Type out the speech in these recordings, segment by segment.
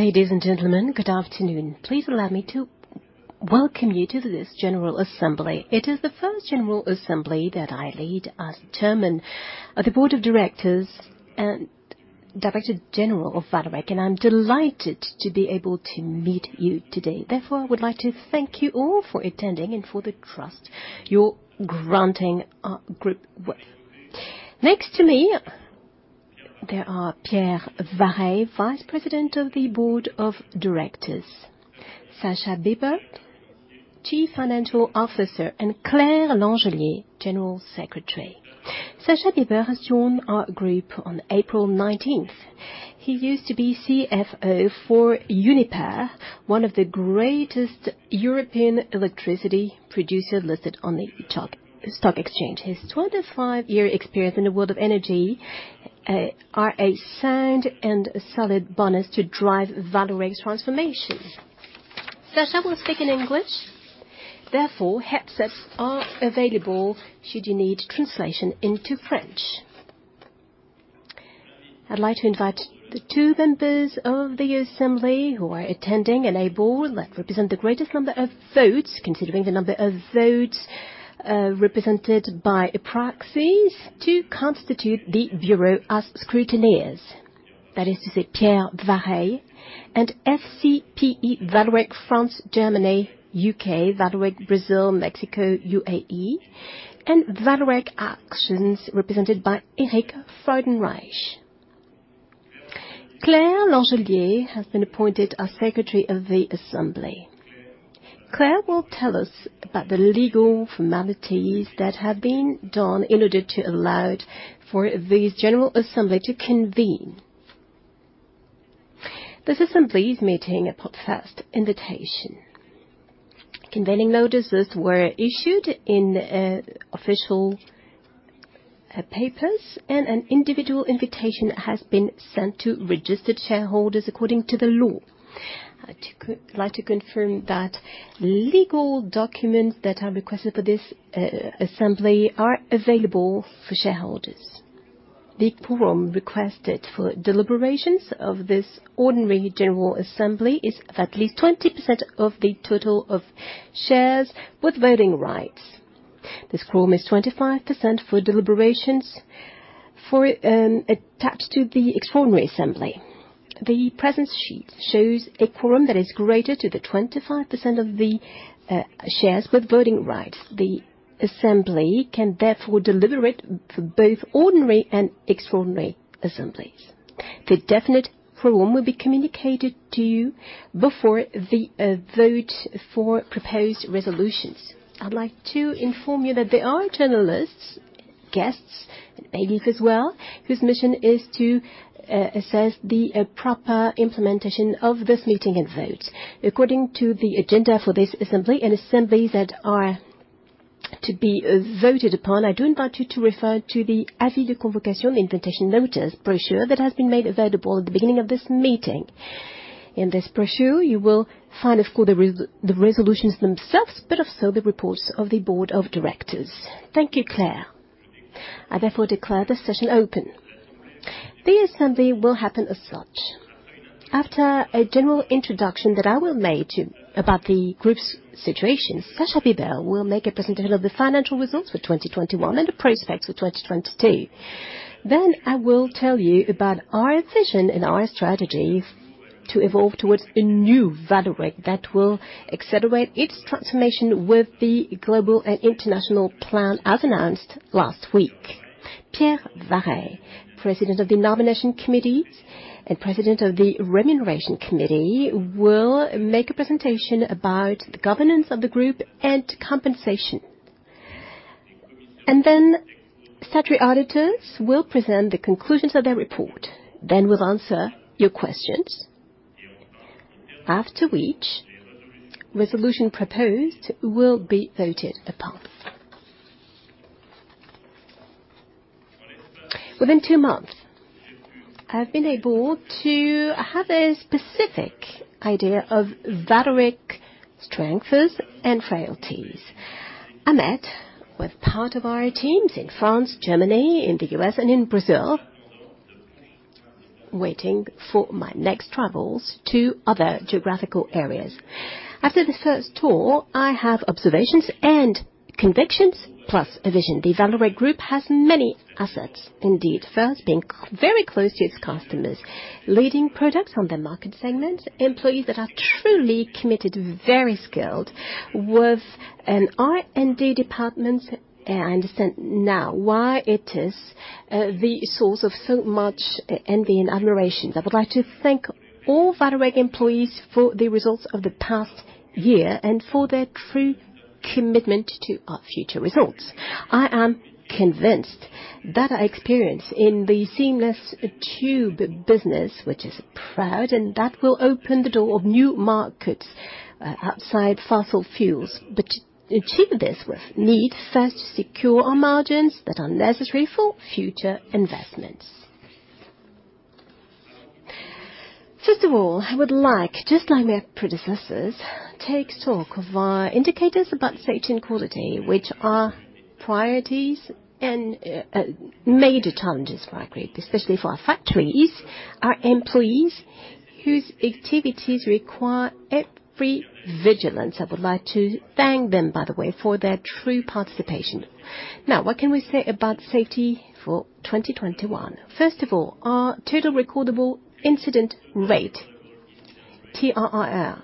Ladies and gentlemen, good afternoon. Please allow me to welcome you to this general assembly. It is the first general assembly that I lead as Chairman of the Board of Directors and Director General of Vallourec, and I'm delighted to be able to meet you today. Therefore, I would like to thank you all for attending and for the trust you're granting our group. Next to me, there are Pierre Vareille, Vice President of the Board of Directors, Sascha Bibert, Chief Financial Officer, and Claire Langelier, General Counsel. Sascha Bibert has joined our group on April 19th. He used to be CFO for Uniper, one of the largest European electricity producers listed on the stock exchange. His 25-year experience in the world of energy are a sound and solid bonus to drive Vallourec's transformation. Sascha will speak in English, therefore, headsets are available should you need translation into French. I'd like to invite the two members of the assembly who are attending and able to represent the greatest number of votes, considering the number of votes represented by proxies to constitute the bureau as scrutineers. That is to say, Pierre Vareille and SCPE Vallourec France, Germany, U.K., Vallourec Brazil, Mexico, UAE, and Vallourec Actions, represented by Eric Freudenreich. Claire Langelier has been appointed as secretary of the assembly. Claire will tell us about the legal formalities that have been done in order to allow for this general assembly to convene. This assembly is meeting upon first invitation. Convening notices were issued in official papers, and an individual invitation has been sent to registered shareholders according to the law. I'd like to confirm that legal documents that are requested for this assembly are available for shareholders. The quorum requested for deliberations of this ordinary general assembly is at least 20% of the total of shares with voting rights. This quorum is 25% for deliberations attached to the extraordinary assembly. The presence sheet shows a quorum that is greater than the 25% of the shares with voting rights. The assembly can therefore deliberate for both ordinary and extraordinary assemblies. The definite quorum will be communicated to you before the vote for proposed resolutions. I'd like to inform you that there are journalists, guests, and ladies as well, whose mission is to assess the proper implementation of this meeting and vote. According to the agenda for this assembly and assemblies that are to be voted upon, I do invite you to refer to the French language, the convocation, the invitation notice brochure that has been made available at the beginning of this meeting. In this brochure, you will find, of course, the resolutions themselves, but also the reports of the board of directors. Thank you, Claire. I therefore declare the session open. The assembly will happen as such. After a general introduction that I will make about the group's situation, Sascha Bibert will make a presentation of the financial results for 2021 and the prospects for 2022. I will tell you about our vision and our strategies to evolve towards a new Vallourec that will accelerate its transformation with the global and international plan, as announced last week. Pierre Vareille, President of the nomination committee and President of the remuneration committee, will make a presentation about the governance of the group and compensation. Statutory auditors will present the conclusions of their report. We'll answer your questions. After which, resolution proposed will be voted upon. Within two months, I've been able to have a specific idea of Vallourec strengths and frailties. I met with part of our teams in France, Germany, in the U.S., and in Brazil, waiting for my next travels to other geographical areas. After this first tour, I have observations and convictions, plus a vision. The Vallourec group has many assets, indeed. First, being very close to its customers, leading products on their market segments, employees that are truly committed, very skilled, with an R&D department. I understand now why it is the source of so much envy and admiration. I would like to thank all Vallourec employees for the results of the past year and for their true commitment to our future results. I am convinced that our experience in the seamless tube business, which is proud, and that will open the door of new markets outside fossil fuels. To achieve this, we need first to secure our margins that are necessary for future investments. First of all, I would like, just like my predecessors, take stock of our indicators about safety and quality, which are priorities and major challenges for our group, especially for our factories, our employees whose activities require every vigilance. I would like to thank them, by the way, for their true participation. Now, what can we say about safety for 2021? First of all, our total recordable incident rate, TRIR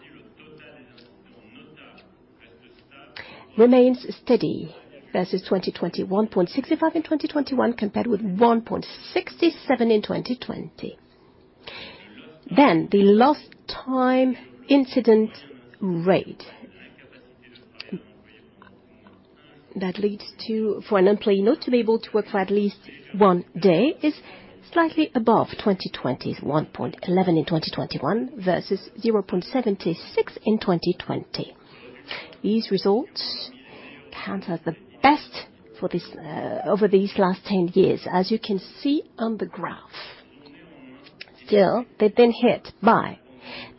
remains steady versus 2020. 1.65 in 2021 compared with 1.67 in 2020. Then the lost time incident rate that leads to, for an employee not to be able to work for at least one day, is slightly above 2020. 1.11 in 2021 versus 0.76 in 2020. These results count as the best for this over these last 10 years, as you can see on the graph. Still, they've been hit by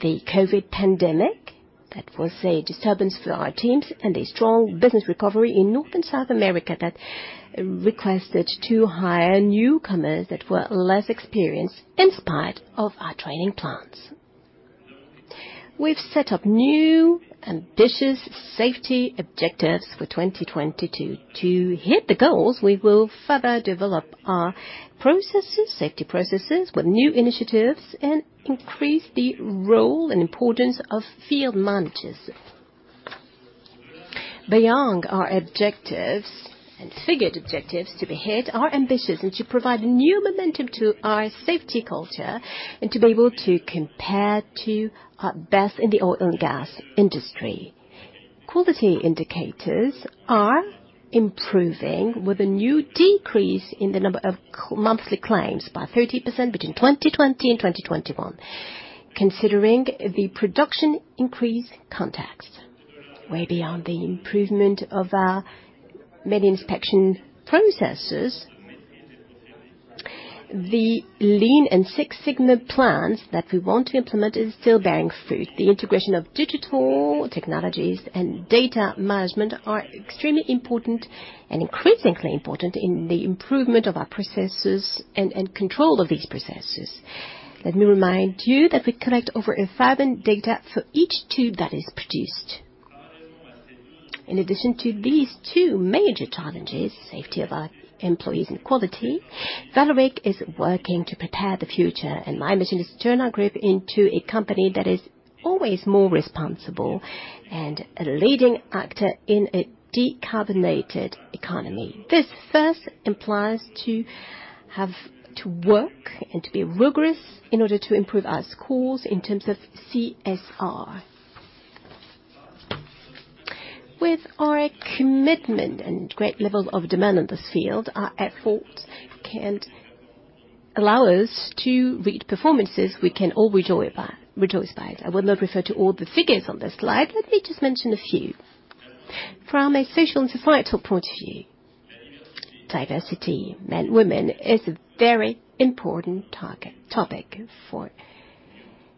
the COVID pandemic that was a disturbance for our teams and a strong business recovery in North and South America that requested to hire newcomers that were less experienced in spite of our training plans. We've set up new ambitious safety objectives for 2022. To hit the goals, we will further develop our safety processes with new initiatives and increase the role and importance of field managers. Beyond our objectives and figured objectives to be hit, our ambitions and to provide new momentum to our safety culture and to be able to compare to our best in the oil and gas industry. Quality indicators are improving with a new decrease in the number of monthly claims by 30% between 2020 and 2021. Considering the production increase contrasts way beyond the improvement of our NDT inspection processes. The Lean and Six Sigma plans that we want to implement is still bearing fruit. The integration of digital technologies and data management are extremely important and increasingly important in the improvement of our processes and control of these processes. Let me remind you that we collect over 1,000 data for each tube that is produced. In addition to these two major challenges, safety of our employees and quality, Vallourec is working to prepare the future. My mission is to turn our group into a company that is always more responsible and a leading actor in a decarbonized economy. This first implies to have to work and to be rigorous in order to improve our scores in terms of CSR. With our commitment and great level of demand on this field, our efforts can allow us to reach performances we can all rejoice by. I will not refer to all the figures on this slide, let me just mention a few. From a social and societal point of view, diversity, men, women is a very important topic for.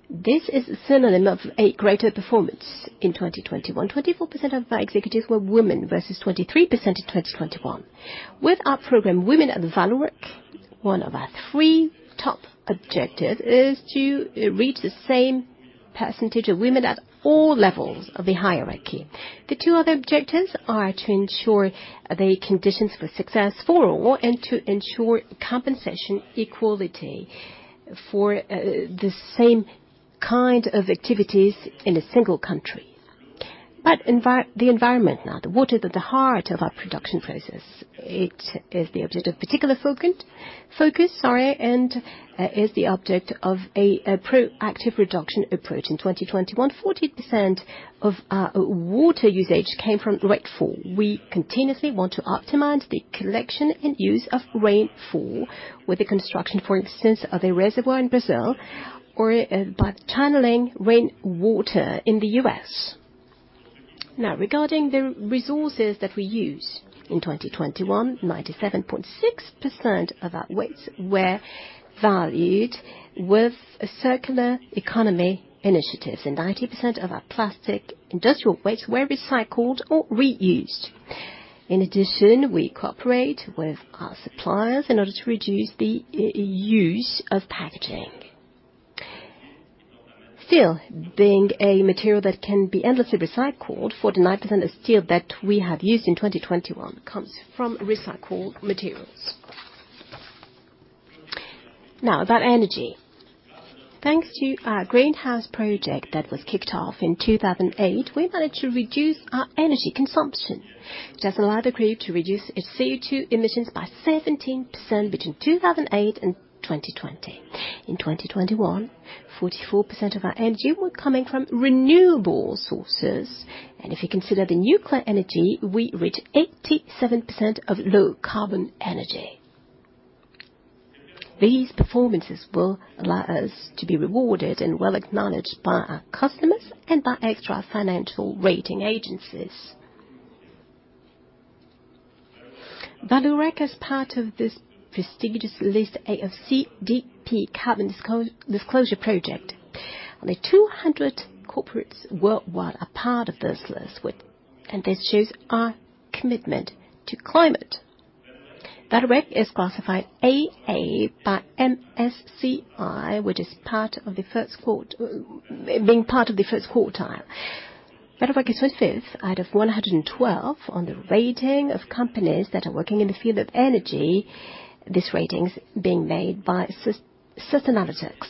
This is a synonym of a greater performance in 2021. 24% of our executives were women versus 23% in 2021. With our program, Women@Vallourec, one of our three top objectives is to reach the same percentage of women at all levels of the hierarchy. The two other objectives are to ensure the conditions for success for all and to ensure compensation equality for the same kind of activities in a single country. The environment now. The water at the heart of our production process, it is the object of particular focus and is the object of a proactive reduction approach. In 2021, 40% of our water usage came from rainfall. We continuously want to optimize the collection and use of rainfall with the construction, for instance, of a reservoir in Brazil or by tunneling rainwater in the U.S. Now, regarding the resources that we use. In 2021, 97.6% of our waste were valued with circular economy initiatives, and 90% of our plastic industrial waste were recycled or reused. In addition, we cooperate with our suppliers in order to reduce the use of packaging. Steel being a material that can be endlessly recycled. 49% of steel that we have used in 2021 comes from recycled materials. Now, about energy. Thanks to our greenhouse project that was kicked off in 2008, we managed to reduce our energy consumption, which has allowed the group to reduce its CO2 emissions by 17% between 2008 and 2020. In 2021, 44% of our energy were coming from renewable sources. If you consider the nuclear energy, we reach 87% of low carbon energy. These performances will allow us to be rewarded and well acknowledged by our customers and by extra financial rating agencies. Vallourec is part of this prestigious list, A of CDP, Carbon Disclosure Project. Only 200 corporates worldwide are part of this list and this shows our commitment to climate. Vallourec is classified AA by MSCI, which is part of the first quartile. Vallourec is fifth out of 112 on the rating of companies that are working in the field of energy. This rating's being made by Sustainalytics.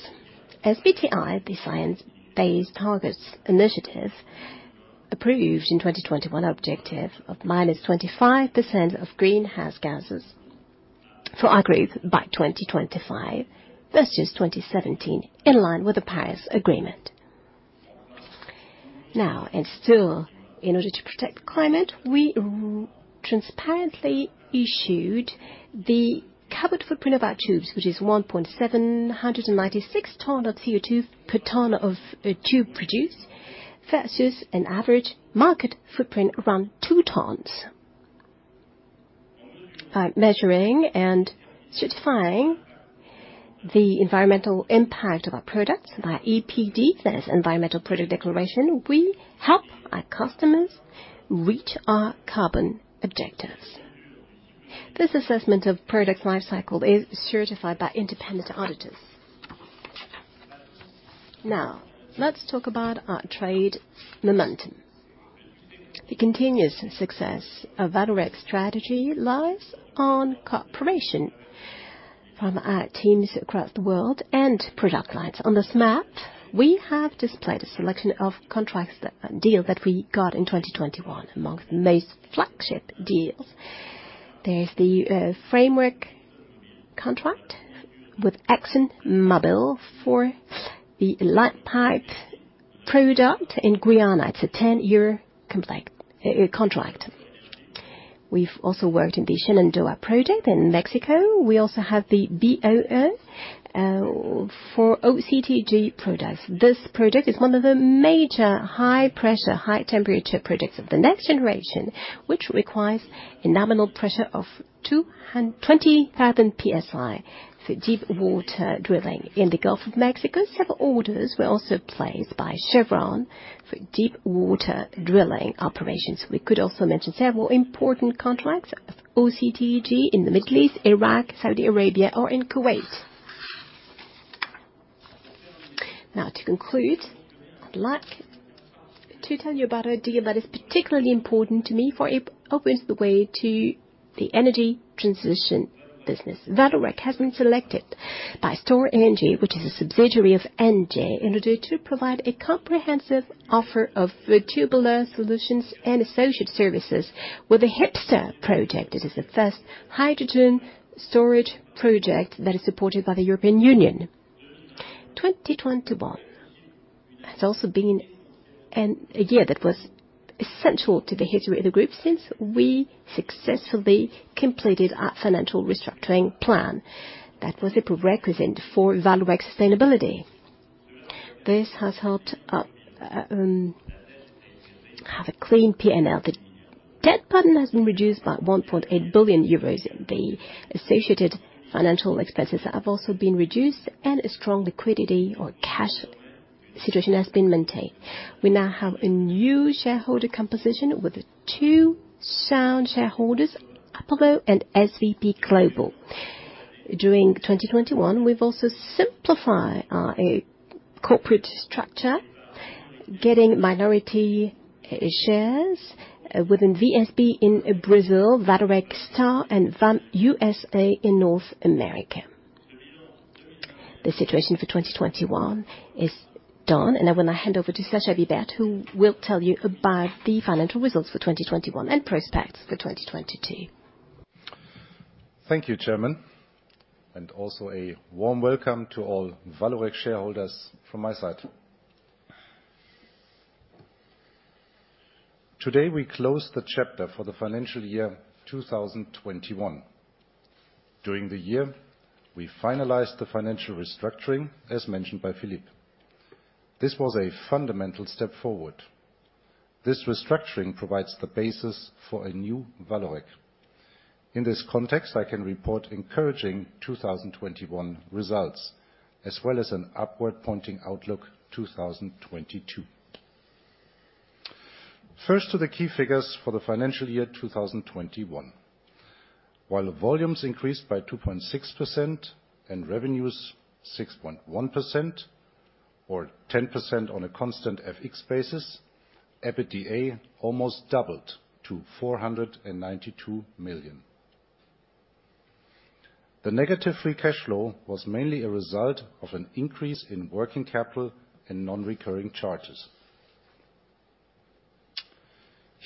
SBTI, the Science Based Targets Initiative, approved in 2021 objective of -25% of greenhouse gases for our group by 2025 versus 2017, in line with the Paris Agreement. To protect the climate, we transparently issued the carbon footprint of our tubes, which is 1.796 tons of CO2 per ton of tube produced versus an average market footprint around two tons. By measuring and certifying the environmental impact of our products by EPD, that is Environmental Product Declaration, we help our customers reach our carbon objectives. This assessment of product lifecycle is certified by independent auditors. Let's talk about our trade momentum. The continuous success of Vallourec strategy lies on cooperation from our teams across the world and product lines. On this map, we have displayed a selection of contracts, deals that we got in 2021. Amongst the most flagship deals, there's the framework contract with ExxonMobil for the line pipe product in Guyana. It's a 10-year contract. We've also worked in the Shenandoah project in Mexico. We also have the BOO for OCTG products. This project is one of the major high pressure, high temperature projects of the next generation, which requires a nominal pressure of 20,000 PSI for deep water drilling in the Gulf of Mexico. Several orders were also placed by Chevron for deep water drilling operations. We could also mention several important contracts of OCTG in the Middle East, Iraq, Saudi Arabia, or in Kuwait. Now, to conclude, I'd like to tell you about a deal that is particularly important to me, for it opens the way to the energy transition business. Vallourec has been selected by Storengy, which is a subsidiary of ENGIE, in order to provide a comprehensive offer of tubular solutions and associated services with the HyPSTER project. This is the first hydrogen storage project that is supported by the European Union. 2021 has also been a year that was essential to the history of the group since we successfully completed our financial restructuring plan. That was a prerequisite for Vallourec sustainability. This has helped have a clean P&L. The debt burden has been reduced by 1.8 billion euros. The associated financial expenses have also been reduced, and a strong liquidity or cash situation has been maintained. We now have a new shareholder composition with two sound shareholders, Apollo and SVPGlobal. During 2021, we've also simplified our corporate structure, getting minority shares within VSB in Brazil, Vallourec Star, and VAM USA in North America. The situation for 2021 is done, and I will now hand over to Sascha Bibert, who will tell you about the financial results for 2021 and prospects for 2022. Thank you, Chairman. Also a warm welcome to all Vallourec shareholders from my side. Today, we close the chapter for the financial year 2021. During the year, we finalized the financial restructuring, as mentioned by Philippe. This was a fundamental step forward. This restructuring provides the basis for a new Vallourec. In this context, I can report encouraging 2021 results as well as an upward-pointing outlook 2022. First to the key figures for the financial year 2021. While the volumes increased by 2.6% and revenues 6.1% or 10% on a constant FX basis, EBITDA almost doubled to 492 million. The negative free cash flow was mainly a result of an increase in working capital and non-recurring charges.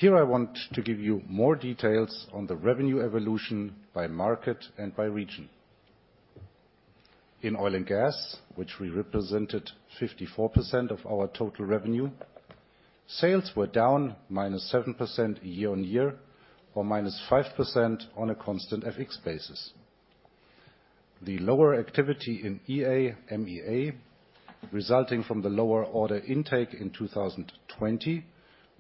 Here, I want to give you more details on the revenue evolution by market and by region. In oil and gas, which represented 54% of our total revenue, sales were down -7% year-on-year or -5% on a constant FX basis. The lower activity in EA, MEA, resulting from the lower order intake in 2020,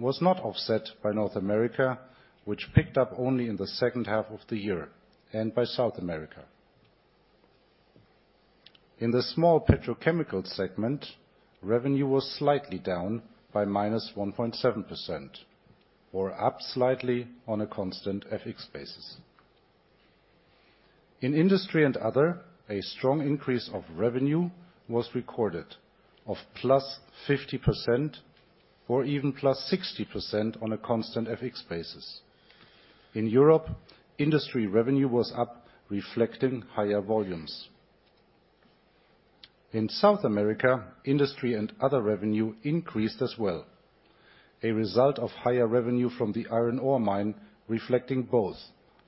was not offset by North America, which picked up only in the second half of the year and by South America. In the small petrochemical segment, revenue was slightly down by -1.7% or up slightly on a constant FX basis. In industry and other, a strong increase of revenue was recorded of +50% or even +60% on a constant FX basis. In Europe, industry revenue was up, reflecting higher volumes. In South America, industry and other revenue increased as well, a result of higher revenue from the iron ore mine reflecting both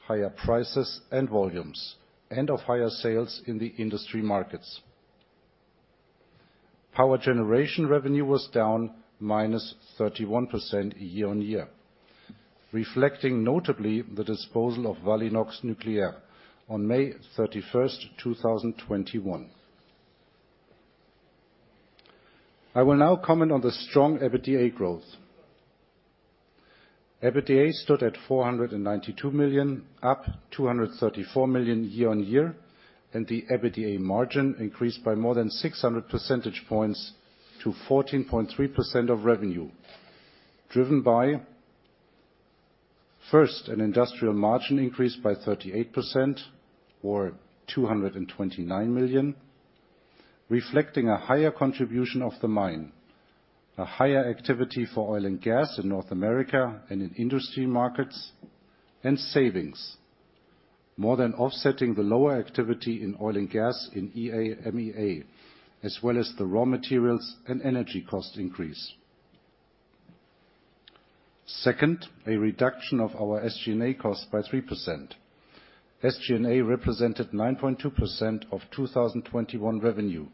higher prices and volumes and of higher sales in the industry markets. Power generation revenue was down 31% year-on-year, reflecting notably the disposal of Valinox Nucléaire on May 31st, 2021. I will now comment on the strong EBITDA growth. EBITDA stood at 492 million, up 234 million year-on-year, and the EBITDA margin increased by more than 600 percentage points to 14.3% of revenue, driven by, first, an industrial margin increase by 38% or 229 million, reflecting a higher contribution of the mine, a higher activity for oil and gas in North America and in industry markets and savings more than offsetting the lower activity in oil and gas in EA, MEA, as well as the raw materials and energy cost increase. Second, a reduction of our SG&A costs by 3%. SG&A represented 9.2% of 2021 revenue,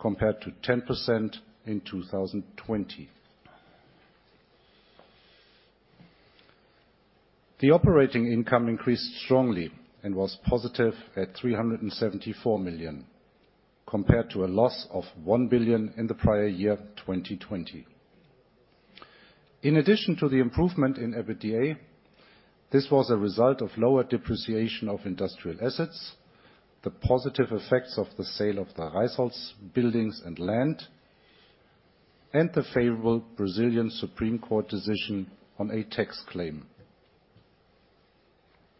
compared to 10% in 2020. The operating income increased strongly and was positive at 374 million, compared to a loss of 1 billion in the prior year, 2020. In addition to the improvement in EBITDA, this was a result of lower depreciation of industrial assets, the positive effects of the sale of the Rheinzabern buildings and land, and the favorable Supreme Federal Court decision on a tax claim.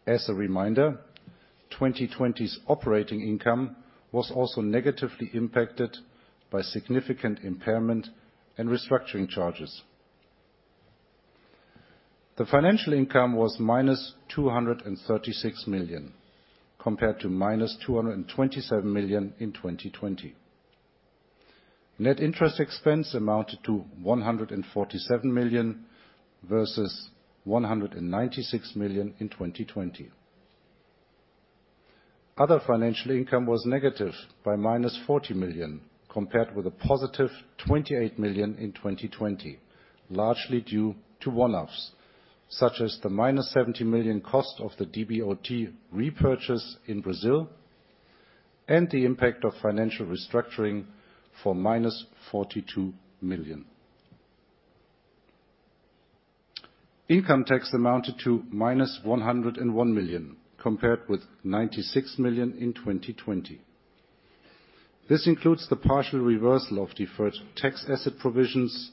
As a reminder, 2020's operating income was also negatively impacted by significant impairment and restructuring charges. The financial income was minus 236 million, compared to minus 227 million in 2020. Net interest expense amounted to 147 million versus 196 million in 2020. Other financial income was negative by -40 million, compared with a positive 28 million in 2020, largely due to one-offs, such as the -70 million cost of the DBOT repurchase in Brazil and the impact of financial restructuring for -42 million. Income tax amounted to -101 million, compared with 96 million in 2020. This includes the partial reversal of deferred tax asset provisions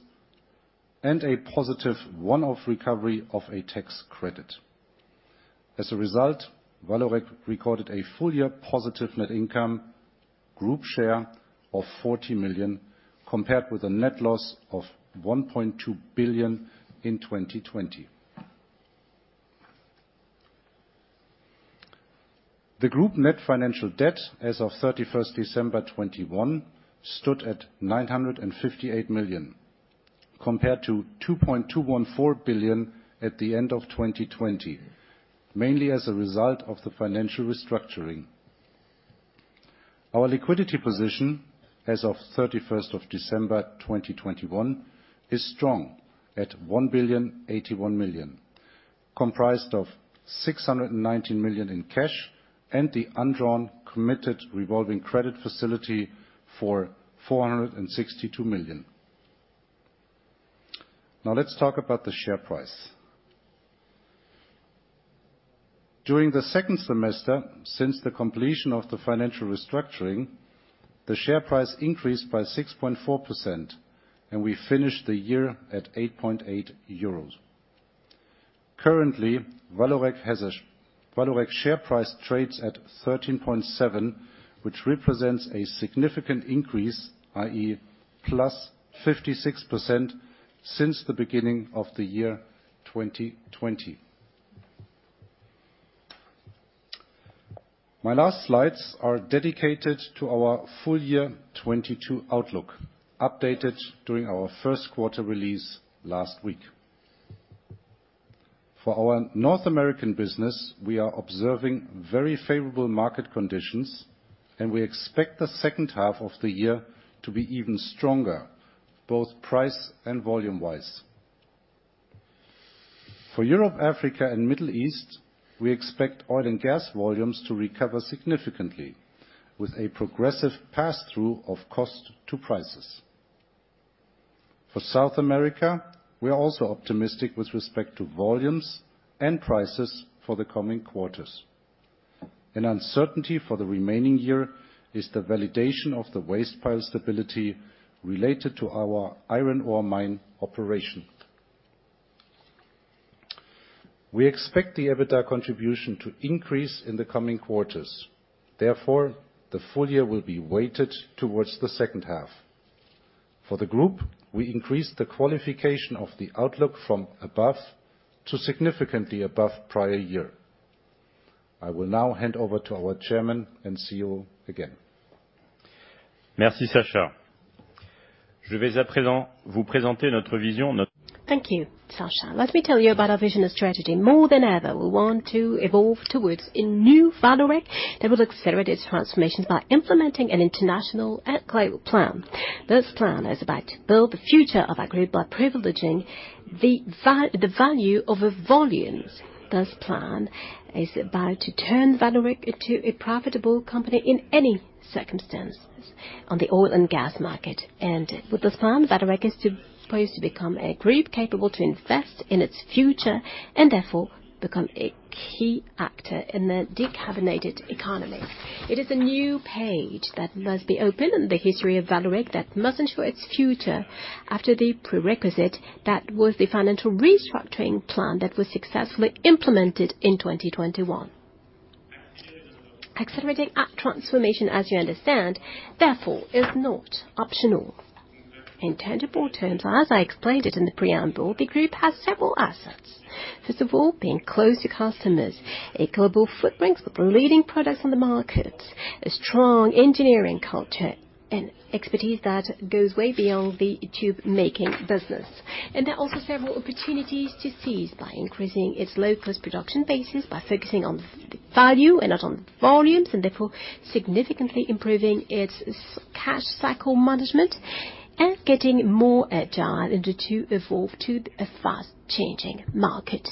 and a positive one-off recovery of a tax credit. As a result, Vallourec recorded a full year positive net income group share of 40 million, compared with a net loss of 1.2 billion in 2020. The group net financial debt as of December 21, 2021 stood at 958 million, compared to 2.214 billion at the end of 2020, mainly as a result of the financial restructuring. Our liquidity position as of 31st December 2021 is strong at 1,081 million, comprised of 619 million in cash and the undrawn committed revolving credit facility for 462 million. Now let's talk about the share price. During the second semester, since the completion of the financial restructuring, the share price increased by 6.4%, and we finished the year at 8.8 euros. Currently, Vallourec share price trades at 13.7, which represents a significant increase, i.e., +56% since the beginning of the year 2020. My last slides are dedicated to our full year 2022 outlook, updated during our first quarter release last week. For our North American business, we are observing very favorable market conditions, and we expect the second half of the year to be even stronger, both price and volume-wise. For Europe, Africa, and Middle East, we expect oil and gas volumes to recover significantly with a progressive passthrough of cost to prices. For South America, we are also optimistic with respect to volumes and prices for the coming quarters. An uncertainty for the remaining year is the validation of the waste pile stability related to our iron ore mine operation. We expect the EBITDA contribution to increase in the coming quarters. Therefore, the full year will be weighted towards the second half. For the group, we increased the qualification of the outlook from above to significantly above prior year. I will now hand over to our Chairman and CEO again. Thank you, Sascha. Let me tell you about our vision and strategy. More than ever, we want to evolve towards a new Vallourec that will accelerate its transformations by implementing an international and global plan. This plan is about to build the future of our group by privileging the value over volumes. This plan is about to turn Vallourec into a profitable company in any circumstances on the oil and gas market. With this plan, Vallourec is supposed to become a group capable to invest in its future and therefore become a key actor in the decarbonated economy. It is a new page that must be open in the history of Vallourec that must ensure its future after the prerequisite that was the financial restructuring plan that was successfully implemented in 2021. Accelerating our transformation, as you understand, therefore, is not optional. In tangible terms, as I explained it in the preamble, the group has several assets. First of all, being close to customers, a global footprint with leading products in the markets, a strong engineering culture and expertise that goes way beyond the tube making business. There are also several opportunities to seize by increasing its low-cost production bases, by focusing on the value and not on volumes, and therefore significantly improving its cash cycle management and getting more agile in order to evolve to a fast-changing market.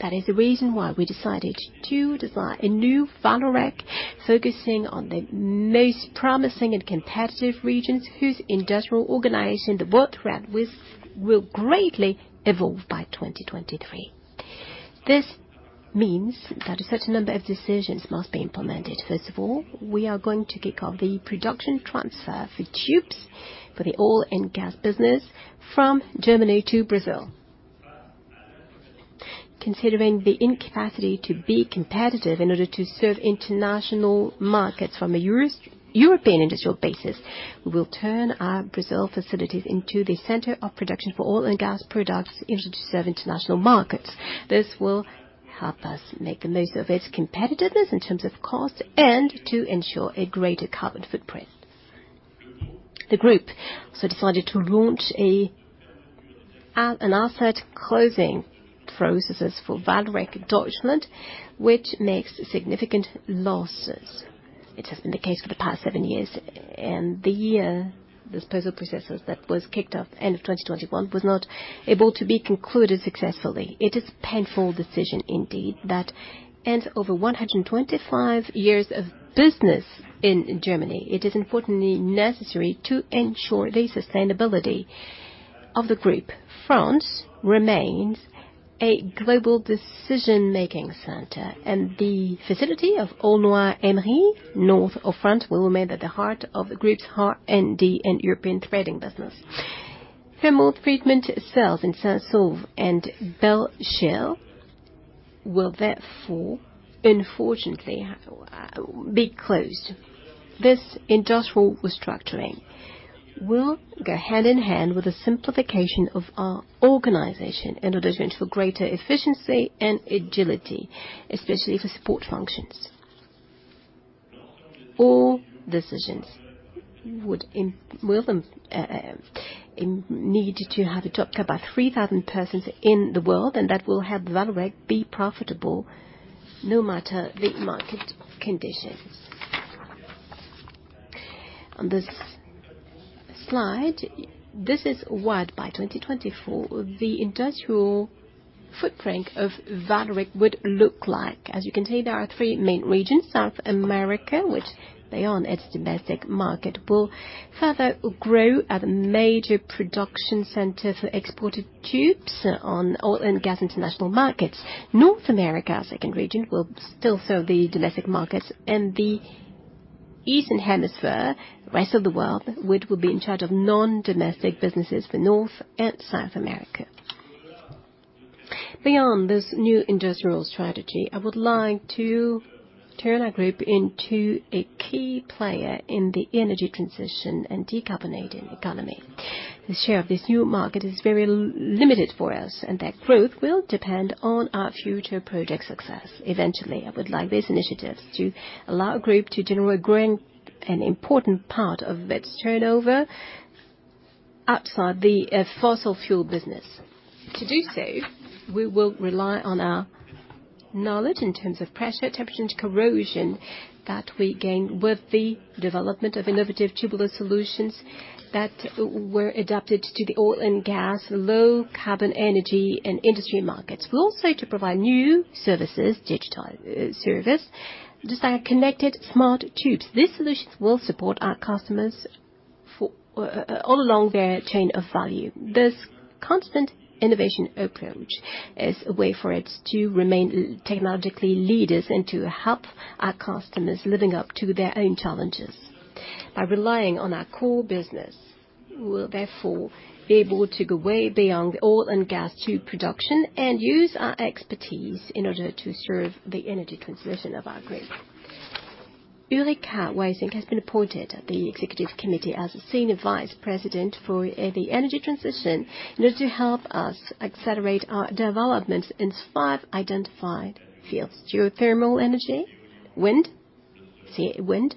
That is the reason why we decided to design a new Vallourec focusing on the most promising and competitive regions whose industrial organization, the workflow will greatly evolve by 2023. This means that a certain number of decisions must be implemented. First of all, we are going to kick off the production transfer for tubes for the oil and gas business from Germany to Brazil. Considering the incapacity to be competitive in order to serve international markets from a European industrial basis, we will turn our Brazil facilities into the center of production for oil and gas products in order to serve international markets. This will help us make the most of its competitiveness in terms of cost and to ensure a greater carbon footprint. The group also decided to launch asset closing processes for Vallourec Deutschland, which makes significant losses. It has been the case for the past seven years. The earlier disposal process that was kicked off end of 2021 was not able to be concluded successfully. It is painful decision indeed that ends over 125 years of business in Germany. It is important and necessary to ensure the sustainability of the group. France remains a global decision-making center, and the facility of Aulnoy-Aymeries, north of France, will remain at the heart of the group's R&D and European trading business. Thermal treatment cells in Saint-Saulve and Belchère will therefore unfortunately be closed. This industrial restructuring will go hand in hand with a simplification of our organization in order to ensure greater efficiency and agility, especially for support functions. All decisions will need to have a job cut by 3,000 persons in the world, and that will help Vallourec be profitable no matter the market conditions. On this slide, this is what, by 2024, the industrial footprint of Vallourec would look like. As you can see, there are three main regions. South America, which beyond its domestic market, will further grow as a major production center for exported tubes on oil and gas international markets. North America, second region, will still serve the domestic markets and the Eastern Hemisphere, rest of the world, which will be in charge of non-domestic businesses for North and South America. Beyond this new industrial strategy, I would like to turn our group into a key player in the energy transition and decarbonating economy. The share of this new market is very limited for us, and that growth will depend on our future project success. Eventually, I would like these initiatives to allow our group to generate growing and important part of its turnover outside the fossil fuel business. To do so, we will rely on our knowledge in terms of pressure, temperature, and corrosion that we gain with the development of innovative tubular solutions that were adapted to the oil and gas, low carbon energy, and industry markets. We also to provide new services, digital service, just like connected smart tubes. These solutions will support our customers for all along their chain of value. This constant innovation approach is a way for it to remain technologically leaders and to help our customers living up to their own challenges. By relying on our core business, we will therefore be able to go way beyond oil and gas tube production and use our expertise in order to serve the energy transition of our group. Ulrika Wising has been appointed at the executive committee as a senior vice president for the energy transition in order to help us accelerate our development in five identified fields: geothermal energy, wind, sea wind,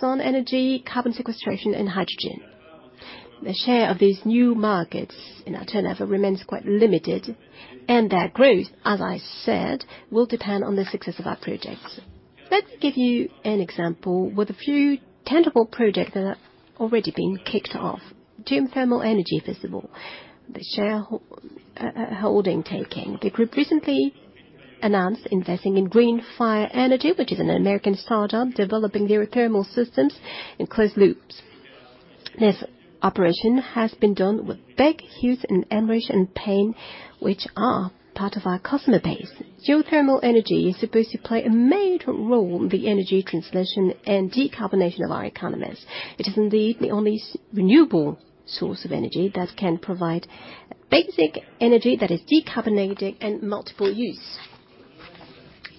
sun energy, carbon sequestration, and hydrogen. The share of these new markets in our turnover remains quite limited, and their growth, as I said, will depend on the success of our projects. Let me give you an example with a few tangible projects that are already been kicked off. Geothermal energy, first of all. The group recently announced investing in GreenFire Energy, which is an American startup developing geothermal systems in closed loops. This operation has been done with Baker Hughes and Paine Schwartz Partners, which are part of our customer base. Geothermal energy is supposed to play a major role in the energy transition and decarbonization of our economies. It is indeed the only renewable source of energy that can provide basic energy that is decarbonated and multiple use.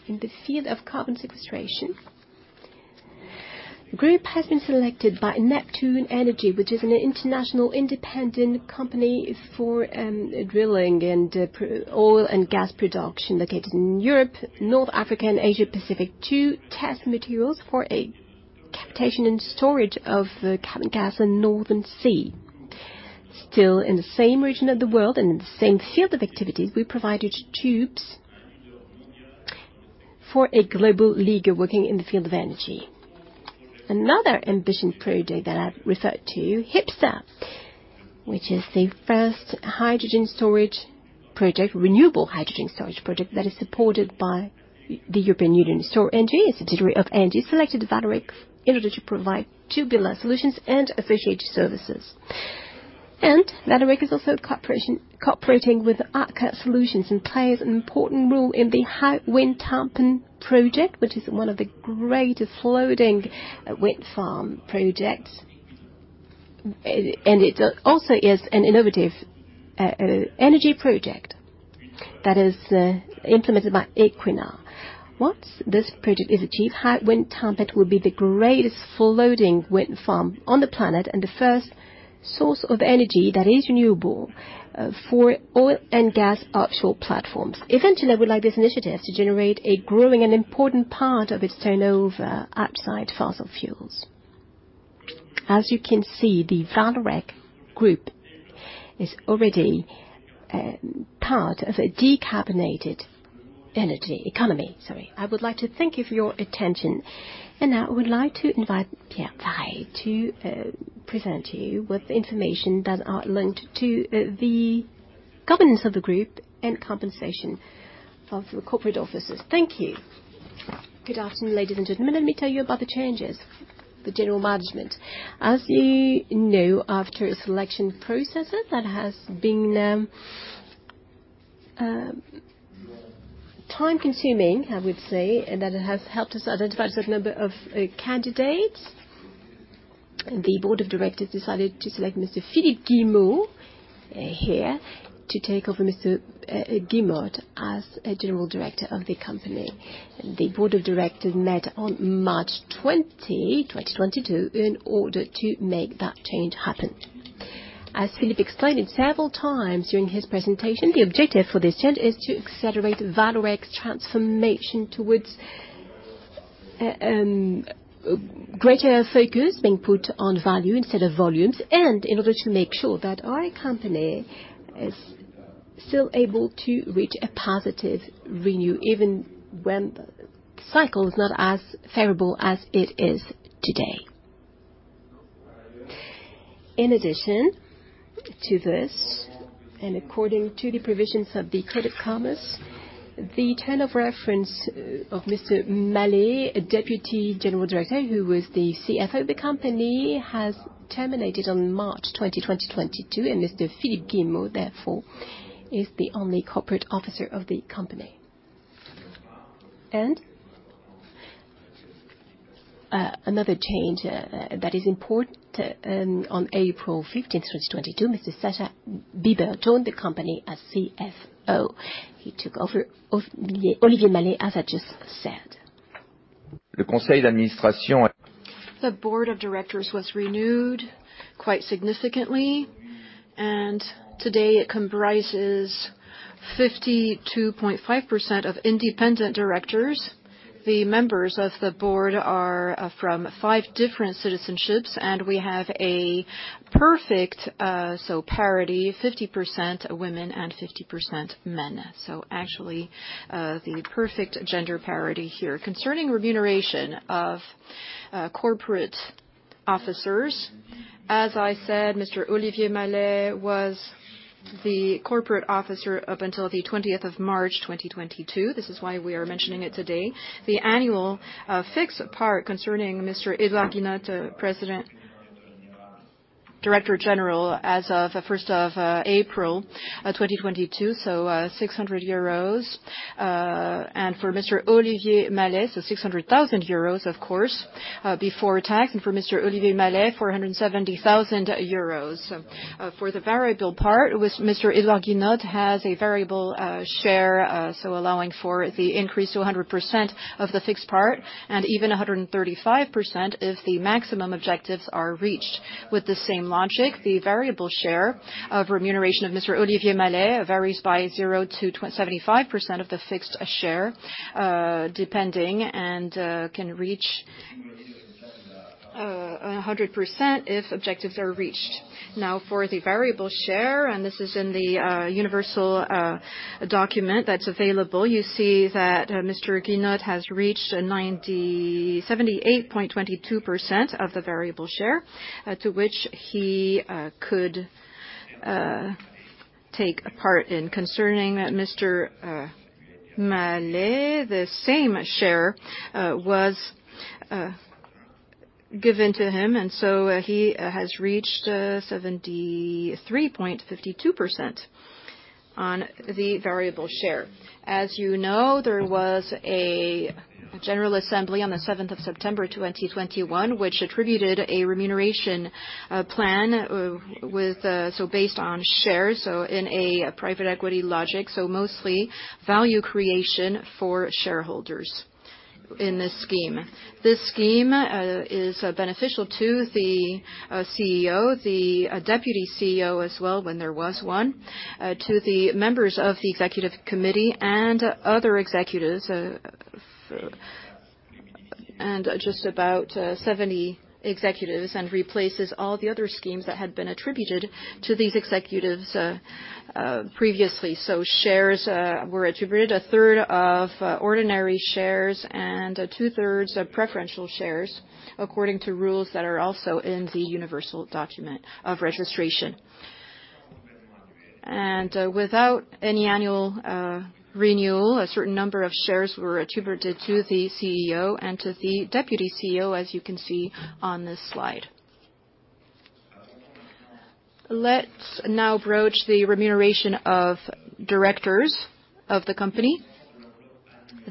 In the field of carbon sequestration, the group has been selected by Neptune Energy, which is an international independent company for drilling and oil and gas production located in Europe, North Africa, and Asia-Pacific, to test materials for a capture and storage of the carbon gas in Northern Sea. Still in the same region of the world and in the same field of activities, we provided tubes for a global leader working in the field of energy. Another ambitious project that I referred to, HyPSTER, which is the first hydrogen storage project, renewable hydrogen storage project that is supported by the European Union. Storengy, a subsidiary of ENGIE, selected Vallourec in order to provide tubular solutions and associated services. Vallourec is also cooperating with Aker Solutions and plays an important role in the Hywind Tampen project, which is one of the greatest floating wind farm projects. It also is an innovative energy project that is implemented by Equinor. Once this project is achieved, Hywind Tampen will be the greatest floating wind farm on the planet and the first source of energy that is renewable for oil and gas offshore platforms. Eventually, we'd like this initiative to generate a growing and important part of its turnover outside fossil fuels. As you can see, the Vallourec Group is already part of a decarbonated energy economy, sorry. I would like to thank you for your attention, and I would like to invite Pierre Vareille to present to you with the information that are linked to the governance of the group and compensation of the corporate officers. Thank you. Good afternoon, ladies and gentlemen. Let me tell you about the changes, the general management. As you know, after a selection process that has been time-consuming, I would say, that has helped us identify a certain number of candidates, the board of directors decided to select Mr. Philippe Guillemot here to take over Mr. Edouard Guinotte as a general director of the company. The board of directors met on March 20, 2022 in order to make that change happen. As Philippe explained it several times during his presentation, the objective for this change is to accelerate Vallourec's transformation towards greater focus being put on value instead of volumes and in order to make sure that our company is still able to reach a positive return even when the cycle is not as favorable as it is today. In addition to this, and according to the provisions of the Code of Commerce, the term of office of Mr. Mallet, a deputy chief executive officer who was the CFO of the company, has terminated on March 20, 2022, and Mr. Philippe Guillemot, therefore, is the only corporate officer of the company. Another change that is important on April 15th, 2022, Mr. Sascha Bibert joined the company as CFO. He took over Olivier Mallet, as I just said. The board of directors was renewed quite significantly. Today, it comprises 52.5% of independent directors. The members of the board are from 5 different citizenships, and we have a perfect parity, 50% women and 50% men. Actually, the perfect gender parity here. Concerning remuneration of corporate officers, as I said, Mr. Olivier Mallet was the corporate officer up until the 20th of March, 2022. This is why we are mentioning it today. The annual fixed part concerning Mr. Edouard Guinotte, President, Director General as of the 1st of April, 2022, 600 euros. And for Mr. Olivier Mallet, 600,000 euros, of course, before tax, and for Mr. Olivier Mallet, 470,000 euros. For the variable part, with Mr. Edouard Guinotte has a variable share, so allowing for the increase to 100% of the fixed part and even 135% if the maximum objectives are reached. With the same logic, the variable share of remuneration of Mr. Olivier Mallet varies by zero to 75% of the fixed share, depending, and can reach 100% if objectives are reached. Now, for the variable share, this is in the universal document that's available, you see that Mr. Guinotte has reached 78.22% of the variable share to which he could take a part in. Concerning Mr. Mallet, the same share was given to him, so he has reached 73.52% on the variable share. As you know, there was a general assembly on the 7th of September, 2021, which attributed a remuneration plan with so based on shares, so in a private equity logic, so mostly value creation for shareholders in this scheme. This scheme is beneficial to the CEO, the deputy CEO as well, when there was one, to the members of the executive committee and other executives, and just about 70 executives and replaces all the other schemes that had been attributed to these executives previously. Shares were attributed, a third of ordinary shares and two-thirds of preferential shares according to rules that are also in the Universal Registration Document. Without any annual renewal, a certain number of shares were attributed to the CEO and to the deputy CEO, as you can see on this slide. Let's now broach the remuneration of directors of the company.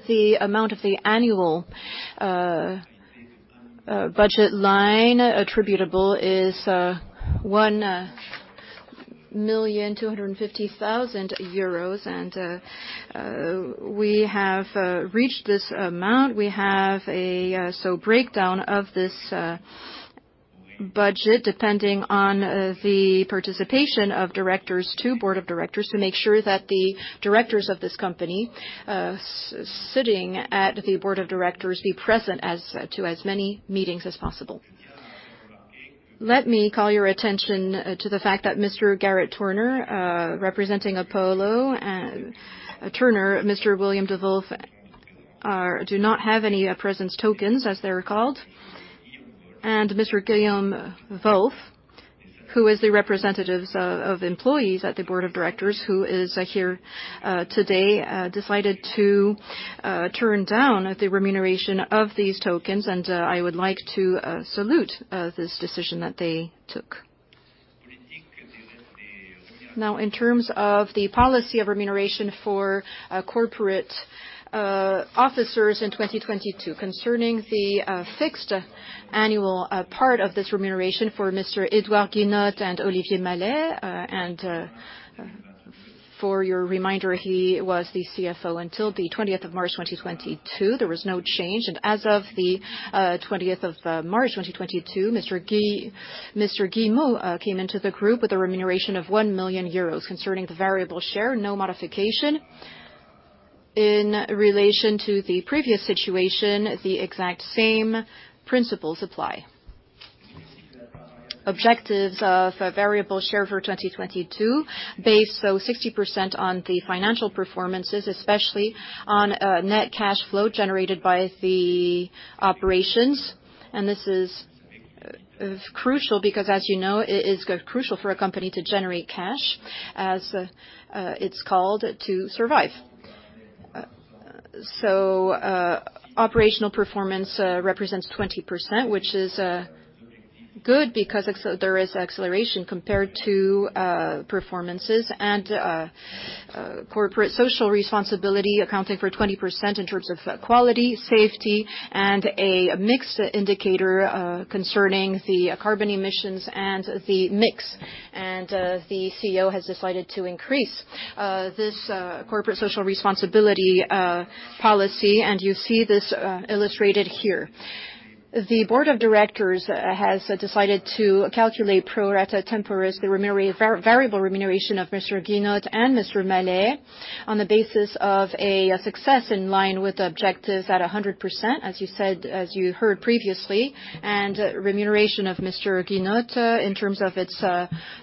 The amount of the annual budget line attributable is 1.25 million, we have reached this amount. We have a breakdown of this budget depending on the participation of directors to board of directors to make sure that the directors of this company sitting at the board of directors be present to as many meetings as possible. Let me call your attention to the fact that Mr. Gareth Turner representing Apollo and Turner, Mr. William de Wulf do not have any presence tokens as they're called. Mr. William de Wulf, who is the representative of employees at the board of directors, who is here today, decided to turn down the remuneration of these tokens, and I would like to salute this decision that they took. Now, in terms of the policy of remuneration for corporate officers in 2022, concerning the fixed annual part of this remuneration for Mr. Edouard Guinotte and Olivier Mallet, and as a reminder, he was the CFO until 20th of March, 2022. There was no change. As of 20th of March, 2022, Mr. Guillemot came into the group with a remuneration of 1 million euros. Concerning the variable share, no modification. In relation to the previous situation, the exact same principles apply. Objectives of a variable share for 2022 based, so 60% on the financial performances, especially on net cash flow generated by the operations. This is crucial because, as you know, it is crucial for a company to generate cash, as it's called to survive. Operational performance represents 20%, which is good because there is acceleration compared to performances and corporate social responsibility accounting for 20% in terms of quality, safety, and a mixed indicator concerning the carbon emissions and the mix. The CEO has decided to increase this corporate social responsibility policy, and you see this illustrated here. The board of directors has decided to calculate pro rata temporis the variable remuneration of Mr. Edouard Guinotte and Mr. Mallet on the basis of a success in line with the objectives at 100%, as you said, as you heard previously, and remuneration of Mr. Edouard Guinotte in terms of its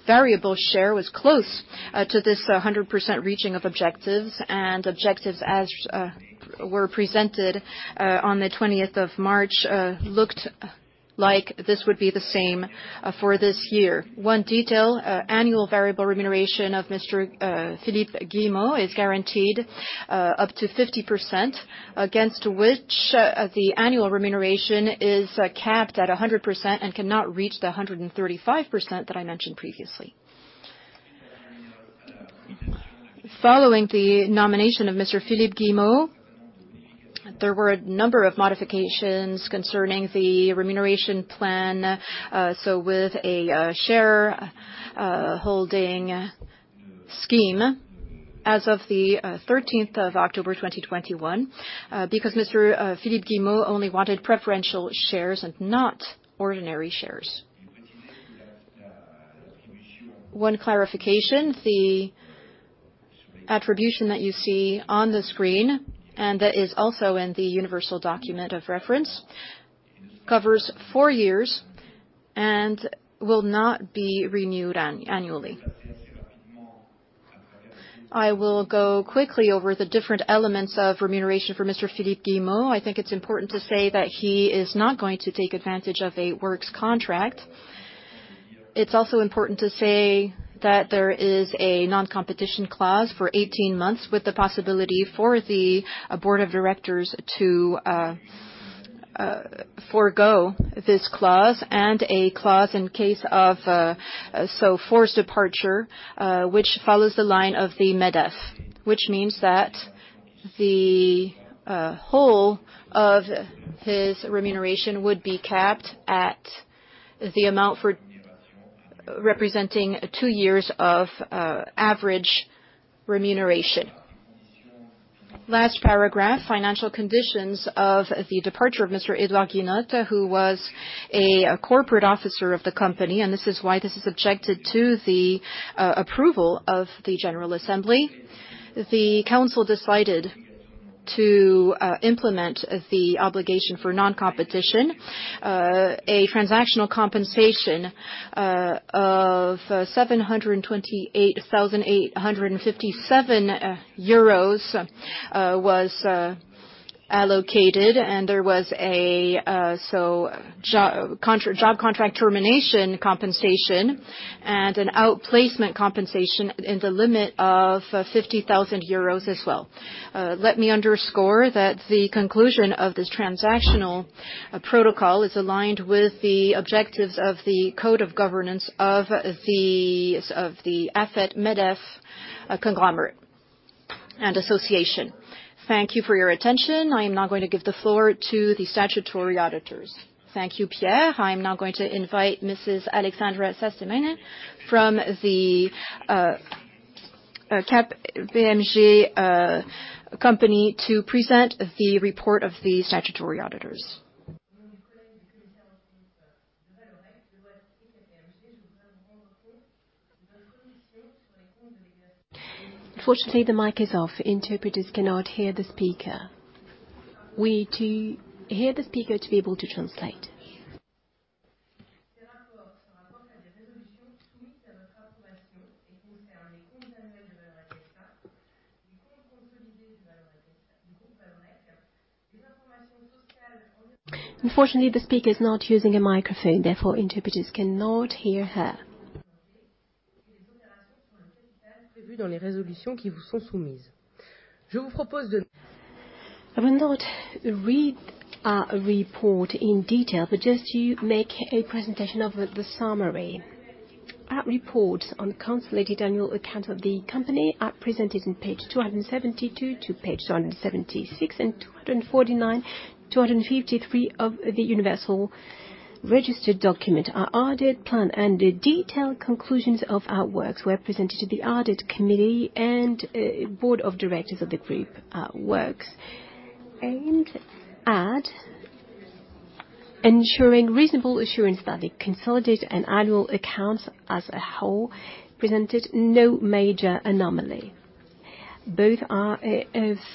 variable share was close to this 100% reaching of objectives, and objectives as were presented on the twentieth of March looked like this would be the same for this year. One detail, annual variable remuneration of Mr. Philippe Guillemot is guaranteed up to 50% against which the annual remuneration is capped at 100% and cannot reach the 135% that I mentioned previously. Following the nomination of Mr. Philippe Guillemot, there were a number of modifications concerning the remuneration plan, so with a share holding scheme as of the thirteenth of October, 2021. Because Mr. Philippe Guillemot only wanted preferential shares and not ordinary shares. One clarification, the attribution that you see on the screen, and that is also in the universal document of reference, covers four years and will not be renewed annually. I will go quickly over the different elements of remuneration for Mr. Philippe Guillemot. I think it's important to say that he is not going to take advantage of a works contract. It's also important to say that there is a non-competition clause for 18 months with the possibility for the board of directors to forgo this clause and a clause in case of so forced departure, which follows the line of the MEDEF, which means that the whole of his remuneration would be capped at the amount for representing two years of average remuneration. Last paragraph, financial conditions of the departure of Mr. Edouard Guinotte, who was a corporate officer of the company, and this is why this is subjected to the approval of the general assembly. The council decided to implement the obligation for non-competition. A transactional compensation of EUR 728,857 was allocated, and there was a job contract termination compensation and an outplacement compensation in the limit of 50,000 euros as well. Let me underscore that the conclusion of this transactional protocol is aligned with the objectives of the code of governance of the AFEP-MEDEF conglomerate and association. Thank you for your attention. I am now going to give the floor to the statutory auditors. Thank you, Pierre. I'm now going to invite Mrs. Alexandra Sastamaine from the KPMG company to present the report of the statutory auditors. Unfortunately, the mic is off. Interpreters cannot hear the speaker to be able to translate. Unfortunately, the speaker is not using a microphone, therefore interpreters cannot hear her. I will not read our report in detail, but just to make a presentation of the summary. Our reports on consolidated annual accounts of the company are presented in page 272 to page 276, and 249, 253 of the Universal Registration Document. Our audit plan and the detailed conclusions of our works were presented to the audit committee and board of directors of the group, works. Our audit ensuring reasonable assurance that the consolidated annual accounts as a whole presented no major anomaly. Both our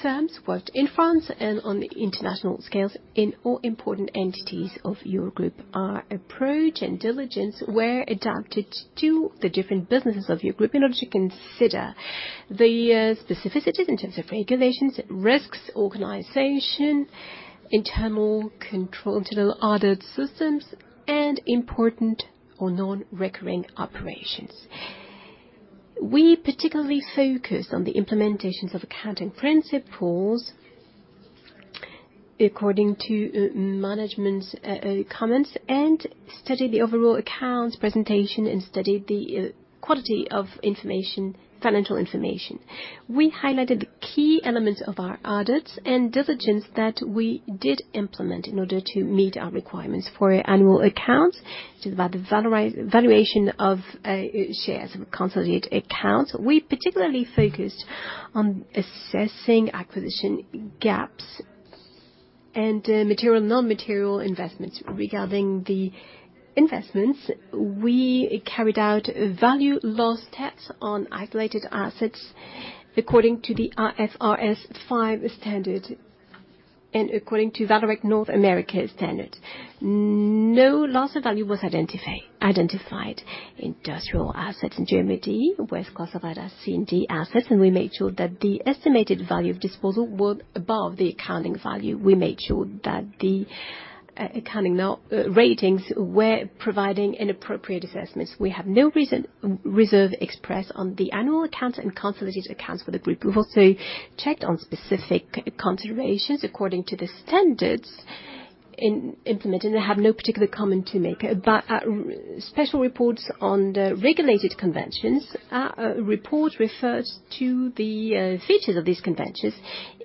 firms worked in France and on the international scales in all important entities of your group. Our approach and diligence were adapted to the different businesses of your group in order to consider the specificities in terms of regulations, risks, organization, internal control to the audit systems, and important or non-recurring operations. We particularly focused on the implementations of accounting principles according to management's comments and studied the overall accounts presentation and studied the quality of information, financial information. We highlighted key elements of our audits and diligence that we did implement in order to meet our requirements for annual accounts. It is about the valuation of shares, consolidated accounts. We particularly focused on assessing acquisition gaps and material, non-material investments. Regarding the investments, we carried out a value loss test on isolated assets according to the IFRS 5 standard and according to Vallourec North America standard. No loss of value was identified. Industrial assets in Germany were classified as C and D assets, and we made sure that the estimated value of disposal were above the accounting value. We made sure that the accounting and our ratings were providing appropriate assessments. We have no reservation expressed on the annual accounts and consolidated accounts for the group. We've also checked on specific considerations according to the standards implemented, and have no particular comment to make. Special reports on the regulated conventions. A report refers to the features of these conventions,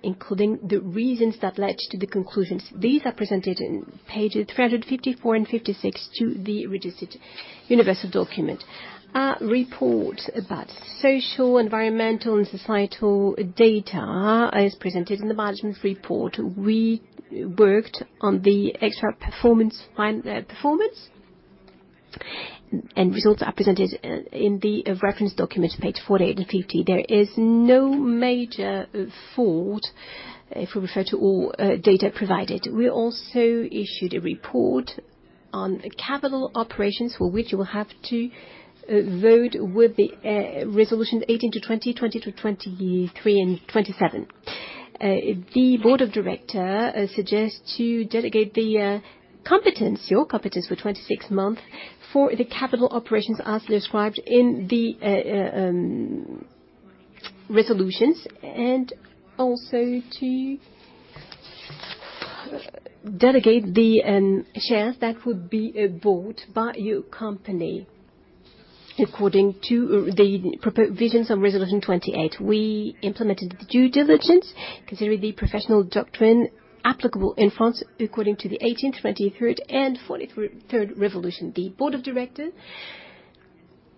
including the reasons that led to the conclusions. These are presented in pages 354 and 356 of the universal registration document. A report about social, environmental, and societal data is presented in the management report. We worked on the extra-financial performance and results are presented in the reference document, page 48 and 50. There is no major fault if we refer to all data provided. We also issued a report on capital operations for which you will have to vote with the resolutions 18 to 20 to 23, and 27. The Board of Directors suggests to delegate the competence, your competence for 26 months for the capital operations as described in the resolutions and also to delegate the shares that would be bought by your company according to the provisions of Resolution 28. We implemented the due diligence, considering the professional doctrine applicable in France according to the 18th, 23rd, and 43rd articles. The board of directors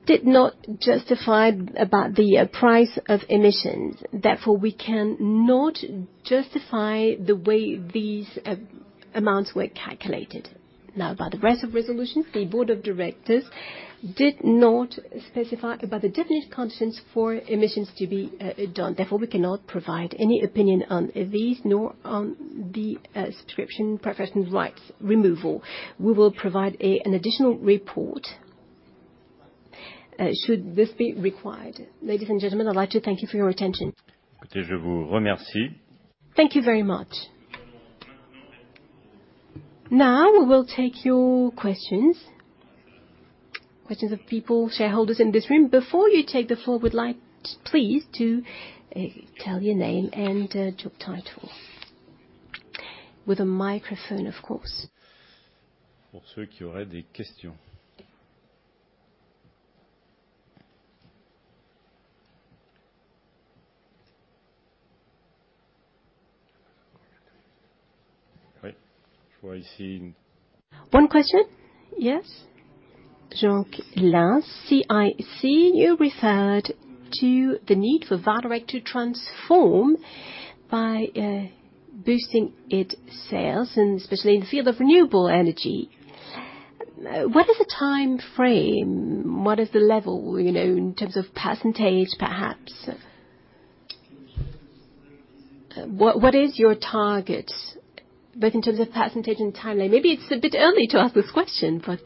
did not justify about the price of emissions, therefore, we cannot justify the way these amounts were calculated. Now, about the rest of resolutions, the board of directors did not specify about the definite conditions for emissions to be done, therefore, we cannot provide any opinion on these, nor on the subscription preference rights removal. We will provide an additional report should this be required. Ladies and gentlemen, I'd like to thank you for your attention. Thank you very much. Now, we will take your questions. Questions of people, shareholders in this room. Before you take the floor, we'd like please to tell your name and job title. With a microphone, of course. One question? Yes. Jean Claus. You referred to the need for Vallourec to transform by boosting its sales and especially in the field of renewable energy. What is the timeframe? What is the level, you know, in terms of percentage, perhaps? What is your target, both in terms of percentage and timeline? Maybe it's a bit early to ask this question, but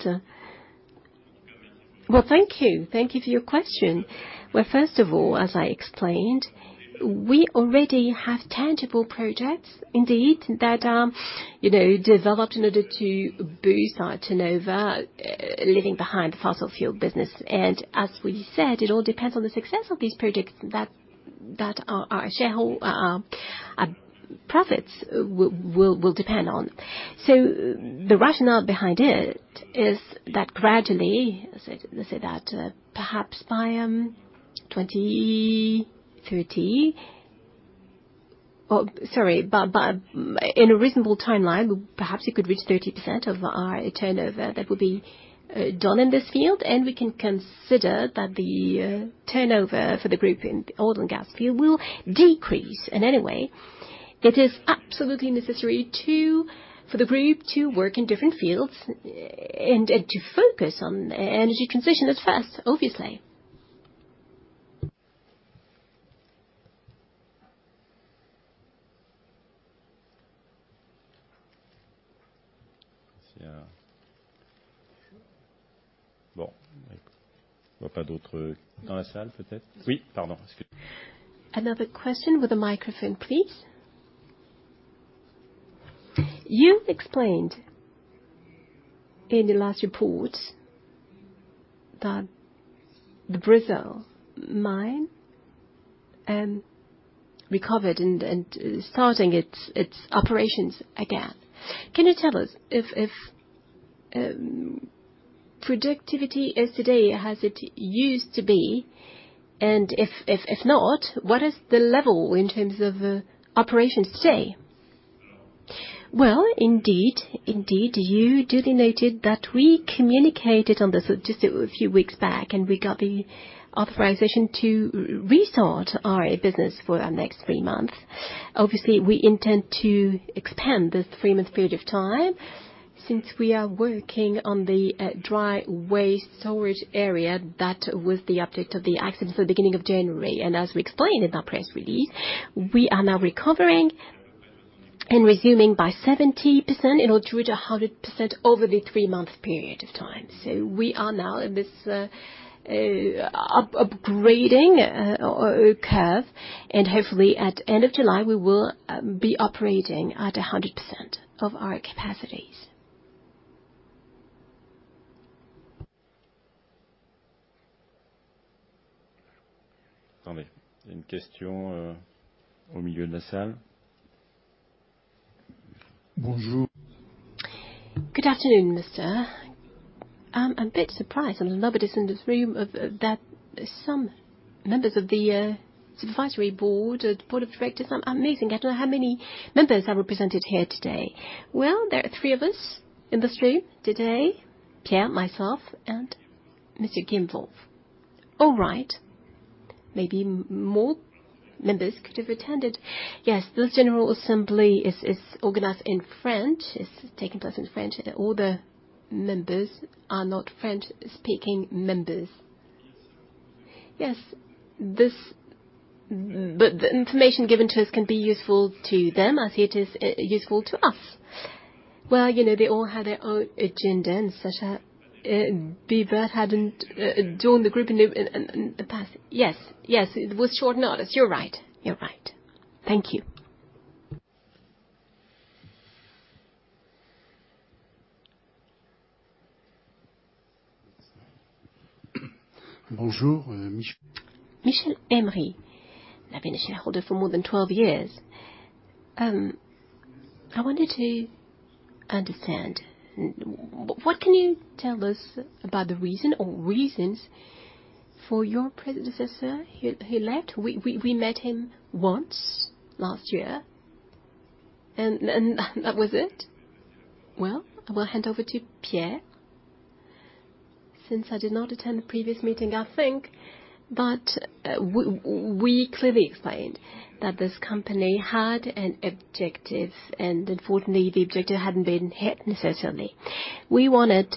well, thank you. Thank you for your question. Well, first of all, as I explained, we already have tangible projects indeed that you know developed in order to boost our turnover leaving behind fossil fuel business. As we said, it all depends on the success of these projects that our profits will depend on. The rationale behind it is that gradually, let's say, perhaps by 2030. Oh, sorry. By In a reasonable timeline, perhaps it could reach 30% of our turnover that will be done in this field, and we can consider that the turnover for the group in oil and gas field will decrease. Anyway, it is absolutely necessary for the group to work in different fields and to focus on energy transition at first, obviously. Another question with a microphone, please. You explained in the last report that the Brazil mine recovered and starting its operations again. Can you tell us if productivity is today as it used to be? If not, what is the level in terms of operations today? Well, indeed. Indeed, you duly noted that we communicated on this just a few weeks back, and we got the authorization to restart our business for next three months. Obviously, we intend to expand this three-month period of time since we are working on the dry waste storage area that was the object of the accident at the beginning of January. As we explained in our press release, we are now recovering and resuming by 70%. It will reach 100% over the three-month period of time. We are now in this upgrading curve, and hopefully at end of July, we will be operating at 100% of our capacities. Good afternoon, Mister. I'm a bit surprised that nobody is in this room of that some members of the supervisory board of directors are amazing. I don't know how many members are represented here today. Well, there are three of us in this room today, Pierre, myself, and Mr Bibert. All right. Maybe more members could have attended. Yes, this general assembly is organized in French. It's taking place in French. All the members are not French-speaking members. Yes. The information given to us can be useful to them as it is useful to us. Well, you know, they all have their own agenda, and such as that hadn't joined the group in the past. Yes. It was short notice. You're right. Thank you. Michel Emery. I've been a shareholder for more than 12 years. I wanted to understand, what can you tell us about the reason or reasons for your predecessor who left? We met him once last year and that was it. Well, I will hand over to Pierre. Since I did not attend the previous meeting, I think, but we clearly explained that this company had an objective, and unfortunately, the objective hadn't been hit necessarily. We wanted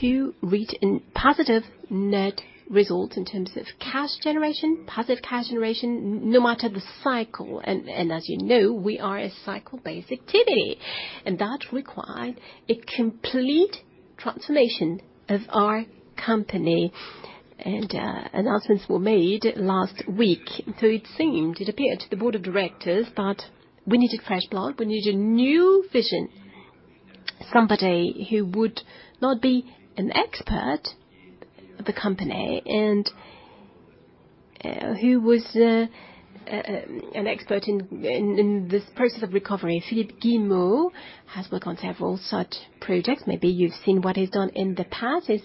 to reach a positive net results in terms of cash generation, no matter the cycle. As you know, we are a cycle-based activity, and that required a complete transformation of our company. Announcements were made last week. It seemed, it appeared to the board of directors that we needed fresh blood. We needed new vision, somebody who would not be an expert of the company and who was an expert in this process of recovery. Philippe Guillemot has worked on several such projects. Maybe you've seen what he's done in the past. He's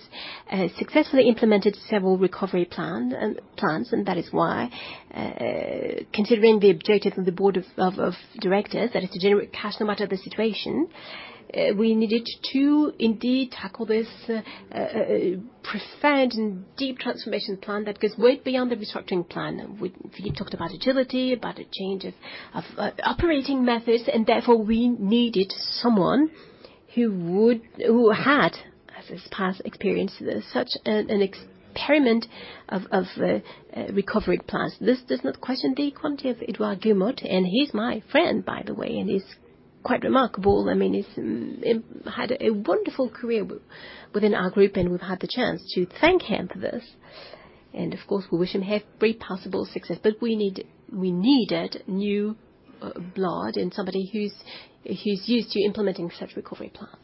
successfully implemented several recovery plans, and that is why, considering the objective of the board of directors, that is to generate cash no matter the situation, we needed to indeed tackle this profound and deep transformation plan that goes way beyond the restructuring plan. Philippe talked about agility, about the changes of operating methods, and therefore, we needed someone who would who had, as his past experience, such an experience of recovery plans. This does not question the quality of Edouard Guinotte, and he's my friend, by the way, and he's quite remarkable. I mean, he's had a wonderful career within our group, and we've had the chance to thank him for this. Of course, we wish him every possible success. We needed new blood and somebody who's used to implementing such recovery plans.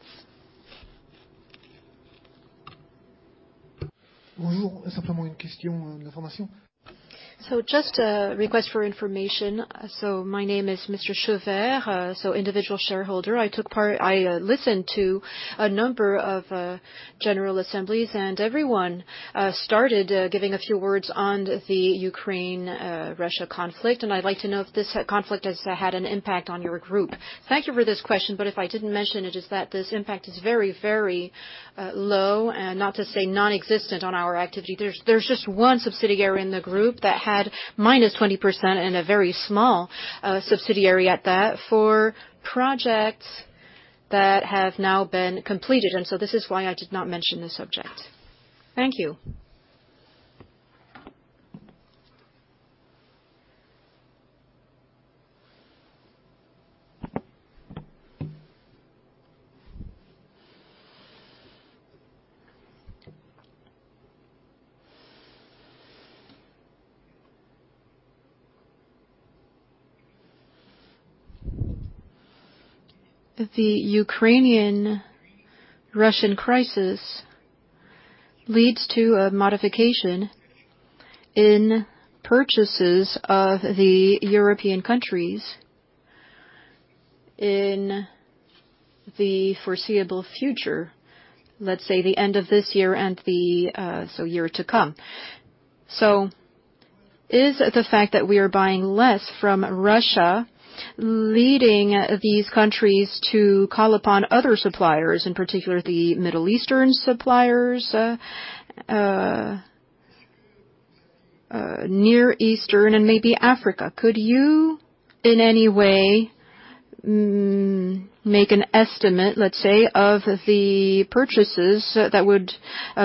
Just a request for information. My name is Mr. Chevert, individual shareholder. I took part. I listened to a number of general assemblies, and everyone started giving a few words on the Ukraine-Russia conflict, and I'd like to know if this conflict has had an impact on your group. Thank you for this question, if I didn't mention it's that this impact is very low, and not to say nonexistent on our activity. There's just one subsidiary in the group that had -20% and a very small subsidiary at that for projects that have now been completed. This is why I did not mention the subject. Thank you. The Ukrainian-Russian crisis leads to a modification in purchases of the European countries in the foreseeable future, let's say the end of this year and the year to come. Is the fact that we are buying less from Russia leading these countries to call upon other suppliers, in particular the Middle Eastern suppliers, Near Eastern and maybe Africa. Could you, in any way, make an estimate, let's say, of the purchases that would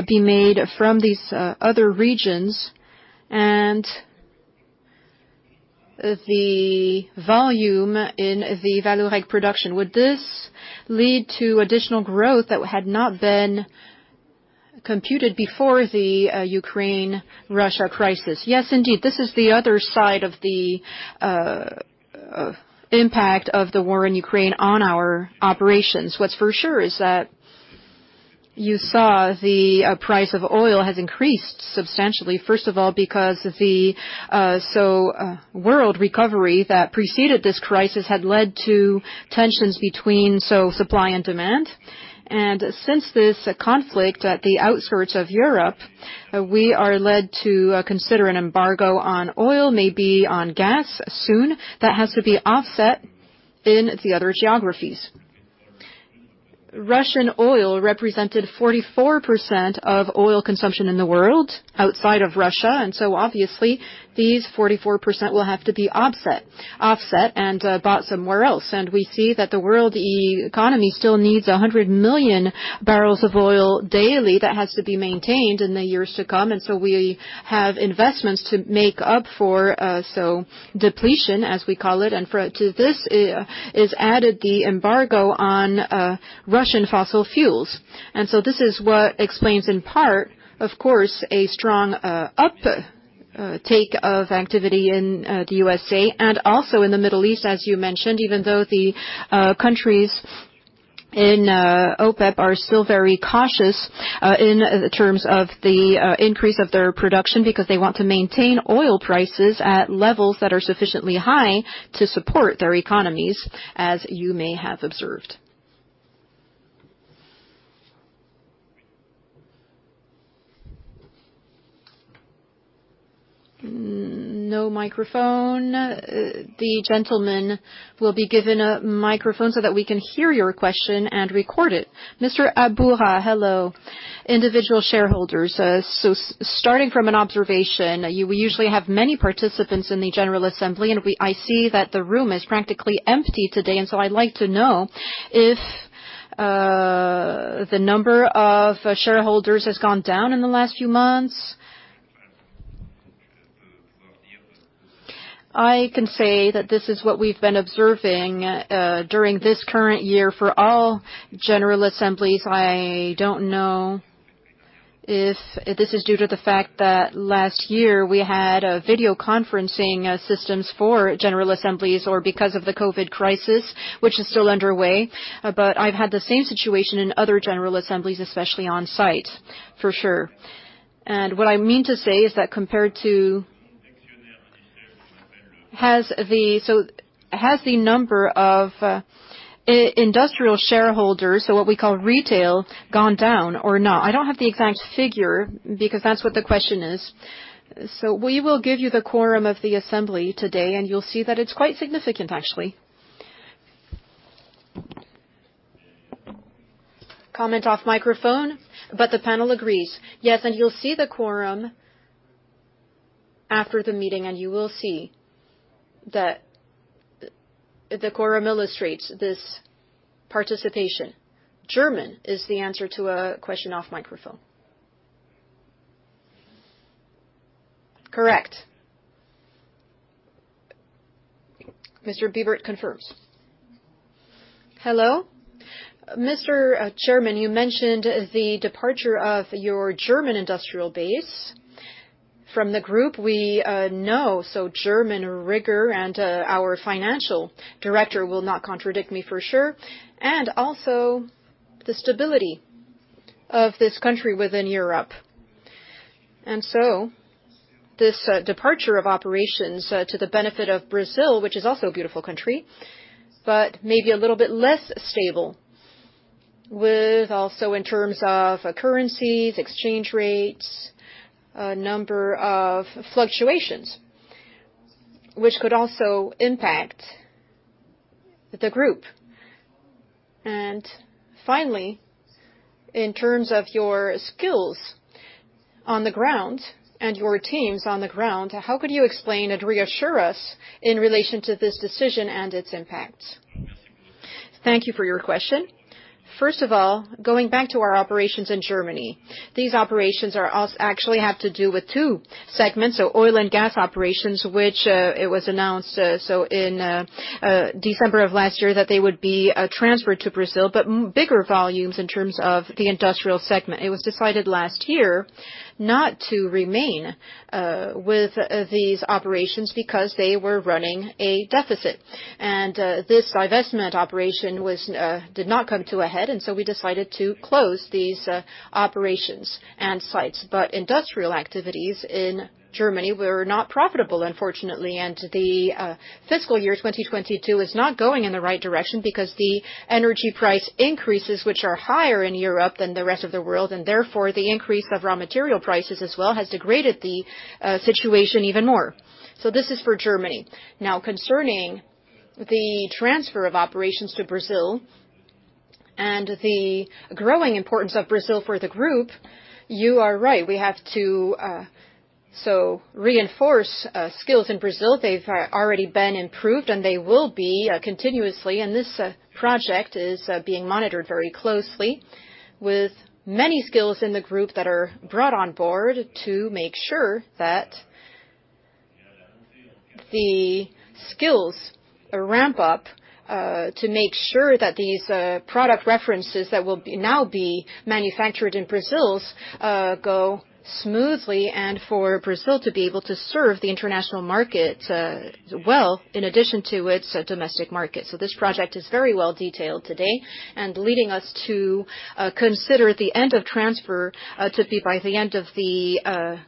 be made from these other regions and the volume in the Vallourec production? Would this lead to additional growth that had not been computed before the Ukraine-Russia crisis? Yes, indeed. This is the other side of the impact of the war in Ukraine on our operations. What's for sure is that you saw the price of oil has increased substantially, first of all, because the slow world recovery that preceded this crisis had led to tensions between the supply and demand. Since this conflict at the outskirts of Europe, we are led to consider an embargo on oil, maybe on gas soon that has to be offset in the other geographies. Russian oil represented 44% of oil consumption in the world outside of Russia, so obviously these 44% will have to be offset and bought somewhere else. We see that the world economy still needs 100 million barrels of oil daily that has to be maintained in the years to come. We have investments to make up for the depletion, as we call it. For... to this is added the embargo on Russian fossil fuels. This is what explains, in part, of course, a strong uptake of activity in the USA and also in the Middle East, as you mentioned, even though the countries in OPEC are still very cautious in terms of the increase of their production, because they want to maintain oil prices at levels that are sufficiently high to support their economies, as you may have observed. No microphone. The gentleman will be given a microphone so that we can hear your question and record it. Mr. Aburra, hello. Individual shareholders. Starting from an observation, you usually have many participants in the General Assembly, and I see that the room is practically empty today, and I'd like to know if the number of shareholders has gone down in the last few months. I can say that this is what we've been observing during this current year for all general assemblies. I don't know if this is due to the fact that last year we had video conferencing systems for general assemblies or because of the COVID crisis, which is still underway. I've had the same situation in other general assemblies, especially on site, for sure. What I mean to say is, has the number of industrial shareholders, so what we call retail, gone down or no? I don't have the exact figure because that's what the question is. We will give you the quorum of the assembly today, and you'll see that it's quite significant, actually. Comment off microphone, but the panel agrees. Yes, you'll see the quorum after the meeting, and you will see that the quorum illustrates this participation. German is the answer to a question off microphone. Correct. Sascha Bibert confirms. Hello. Mr. Chairman, you mentioned the departure of your German industrial base from the group we know, so German rigor, and our financial director will not contradict me for sure, and also the stability of this country within Europe. This departure of operations to the benefit of Brazil, which is also a beautiful country, but maybe a little bit less stable with also in terms of currencies, exchange rates, a number of fluctuations which could also impact the group. Finally, in terms of your skills on the ground and your teams on the ground, how could you explain and reassure us in relation to this decision and its impact? Thank you for your question. First of all, going back to our operations in Germany, these operations actually have to do with two segments. Oil and gas operations, which it was announced so in December of last year, that they would be transferred to Brazil, but bigger volumes in terms of the industrial segment. It was decided last year not to remain with these operations because they were running a deficit. This divestment operation did not come to a head, and so we decided to close these operations and sites. Industrial activities in Germany were not profitable, unfortunately. The fiscal year 2022 is not going in the right direction because the energy price increases, which are higher in Europe than the rest of the world, and therefore the increase of raw material prices as well has degraded the situation even more. This is for Germany. Now concerning the transfer of operations to Brazil. The growing importance of Brazil for the group, you are right. We have to so reinforce skills in Brazil. They've already been improved, and they will be continuously. This project is being monitored very closely with many skills in the group that are brought on board to make sure that the skills ramp up, to make sure that these product references that will now be manufactured in Brazil go smoothly, and for Brazil to be able to serve the international market, well in addition to its domestic market. This project is very well detailed today and leading us to consider the end of transfer to be by the end of the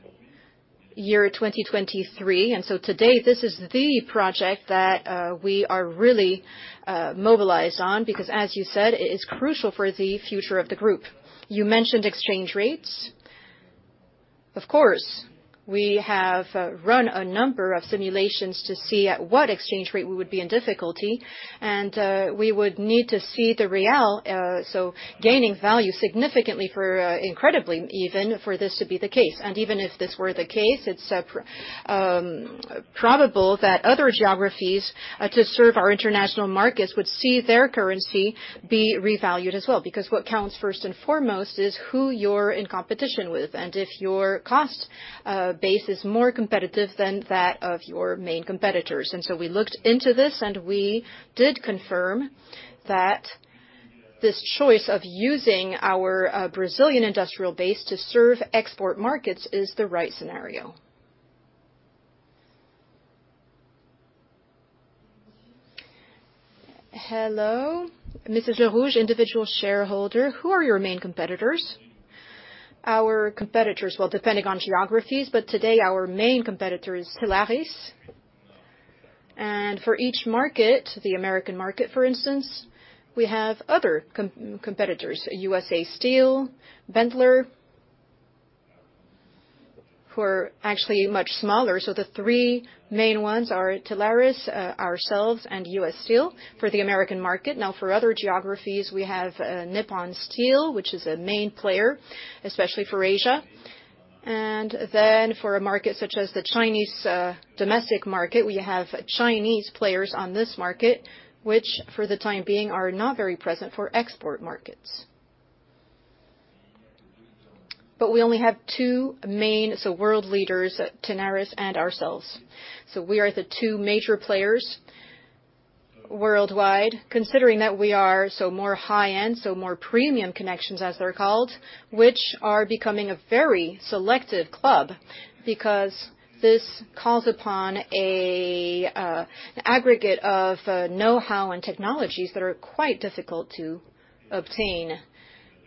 year 2023. To date, this is the project that we are really mobilized on because, as you said, it is crucial for the future of the group. You mentioned exchange rates. Of course, we have run a number of simulations to see at what exchange rate we would be in difficulty, and we would need to see the real gaining value significantly for even this to be the case. Even if this were the case, it's probable that other geographies to serve our international markets would see their currency be revalued as well. Because what counts first and foremost is who you're in competition with and if your cost base is more competitive than that of your main competitors. We looked into this, and we did confirm that this choice of using our Brazilian industrial base to serve export markets is the right scenario. Hello, Mrs. Lerouge, individual shareholder. Who are your main competitors? Our competitors, well, depending on geographies, but today our main competitor is Tenaris. For each market, the American market, for instance, we have other competitors, U.S. Steel, Benteler, who are actually much smaller. The three main ones are Tenaris, ourselves and U.S. Steel for the American market. Now, for other geographies, we have Nippon Steel, which is a main player, especially for Asia. For a market such as the Chinese domestic market, we have Chinese players on this market, which for the time being are not very present for export markets. We only have two main, so world leaders, Tenaris and ourselves. We are the two major players worldwide considering that we are so more high-end, so more premium connections as they're called, which are becoming a very selected club because this calls upon a aggregate of know-how and technologies that are quite difficult to obtain.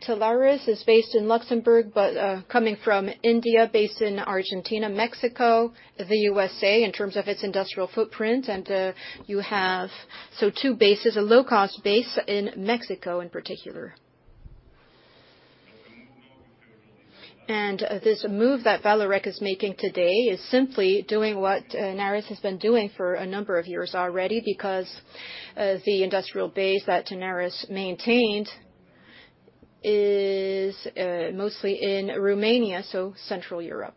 Tenaris is based in Luxembourg, but coming from India, based in Argentina, Mexico, the USA in terms of its industrial footprint. You have so two bases, a low-cost base in Mexico in particular. This move that Vallourec is making today is simply doing what Tenaris has been doing for a number of years already because the industrial base that Tenaris maintained is mostly in Romania, so Central Europe.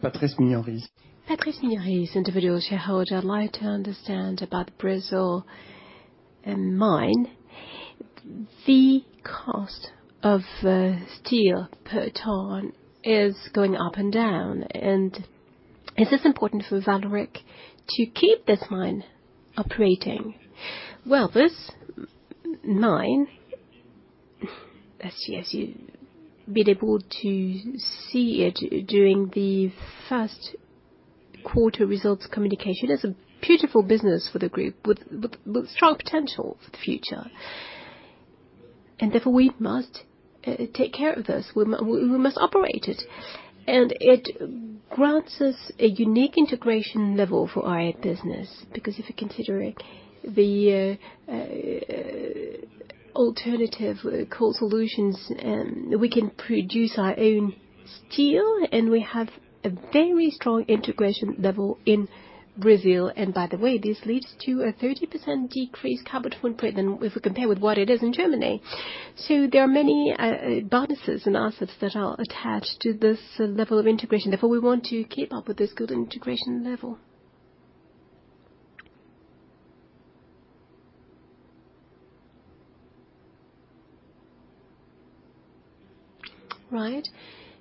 Patrice Miniere. Patrice Miniere, individual shareholder. I'd like to understand about Brazil and mine. The cost of steel per ton is going up and down. Is this important for Vallourec to keep this mine operating? Well, this mine, as you have been able to see it during the first quarter results communication, is a beautiful business for the group with strong potential for the future. Therefore we must take care of this. We must operate it. It grants us a unique integration level for our business because if you consider the alternative steel solutions, we can produce our own steel, and we have a very strong integration level in Brazil. By the way, this leads to a 30% decreased carbon footprint than if we compare with what it is in Germany. There are many bonuses and assets that are attached to this level of integration. Therefore, we want to keep up with this good integration level. Right.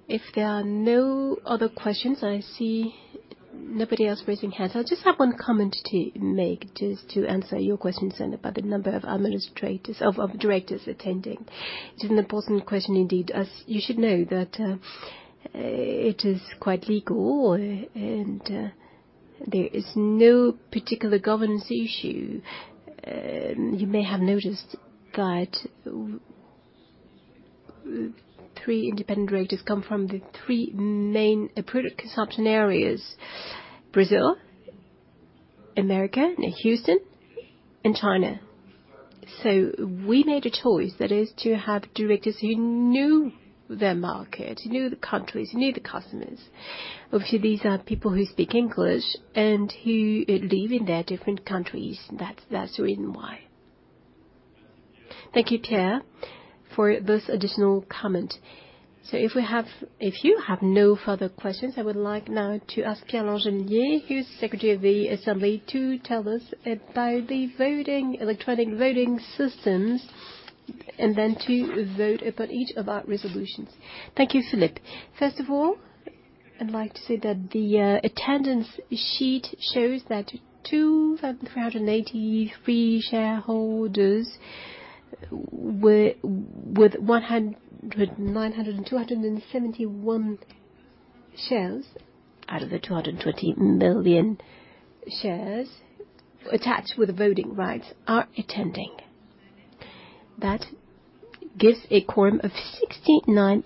If there are no other questions, I see nobody else raising hands. I just have one comment to make, just to answer your question, Senator, about the number of administrators of directors attending. It is an important question indeed. As you should know that it is quite legal and there is no particular governance issue. You may have noticed that three independent directors come from the three main product consumption areas, Brazil, America, Houston and China. We made a choice, that is to have directors who knew their market, knew the countries, knew the customers. Obviously, these are people who speak English and who live in their different countries. That's the reason why. Thank you, Pierre, for this additional comment. If you have no further questions, I would like now to ask Claire Langelier, who's Secretary of the Assembly, to tell us about the voting, electronic voting systems, and then to vote upon each of our resolutions. Thank you, Philippe. First of all, I'd like to say that the attendance sheet shows that 2,383 shareholders with 109,271 shares out of the 220 million shares attached with voting rights are attending. That gives a quorum of 69.62%.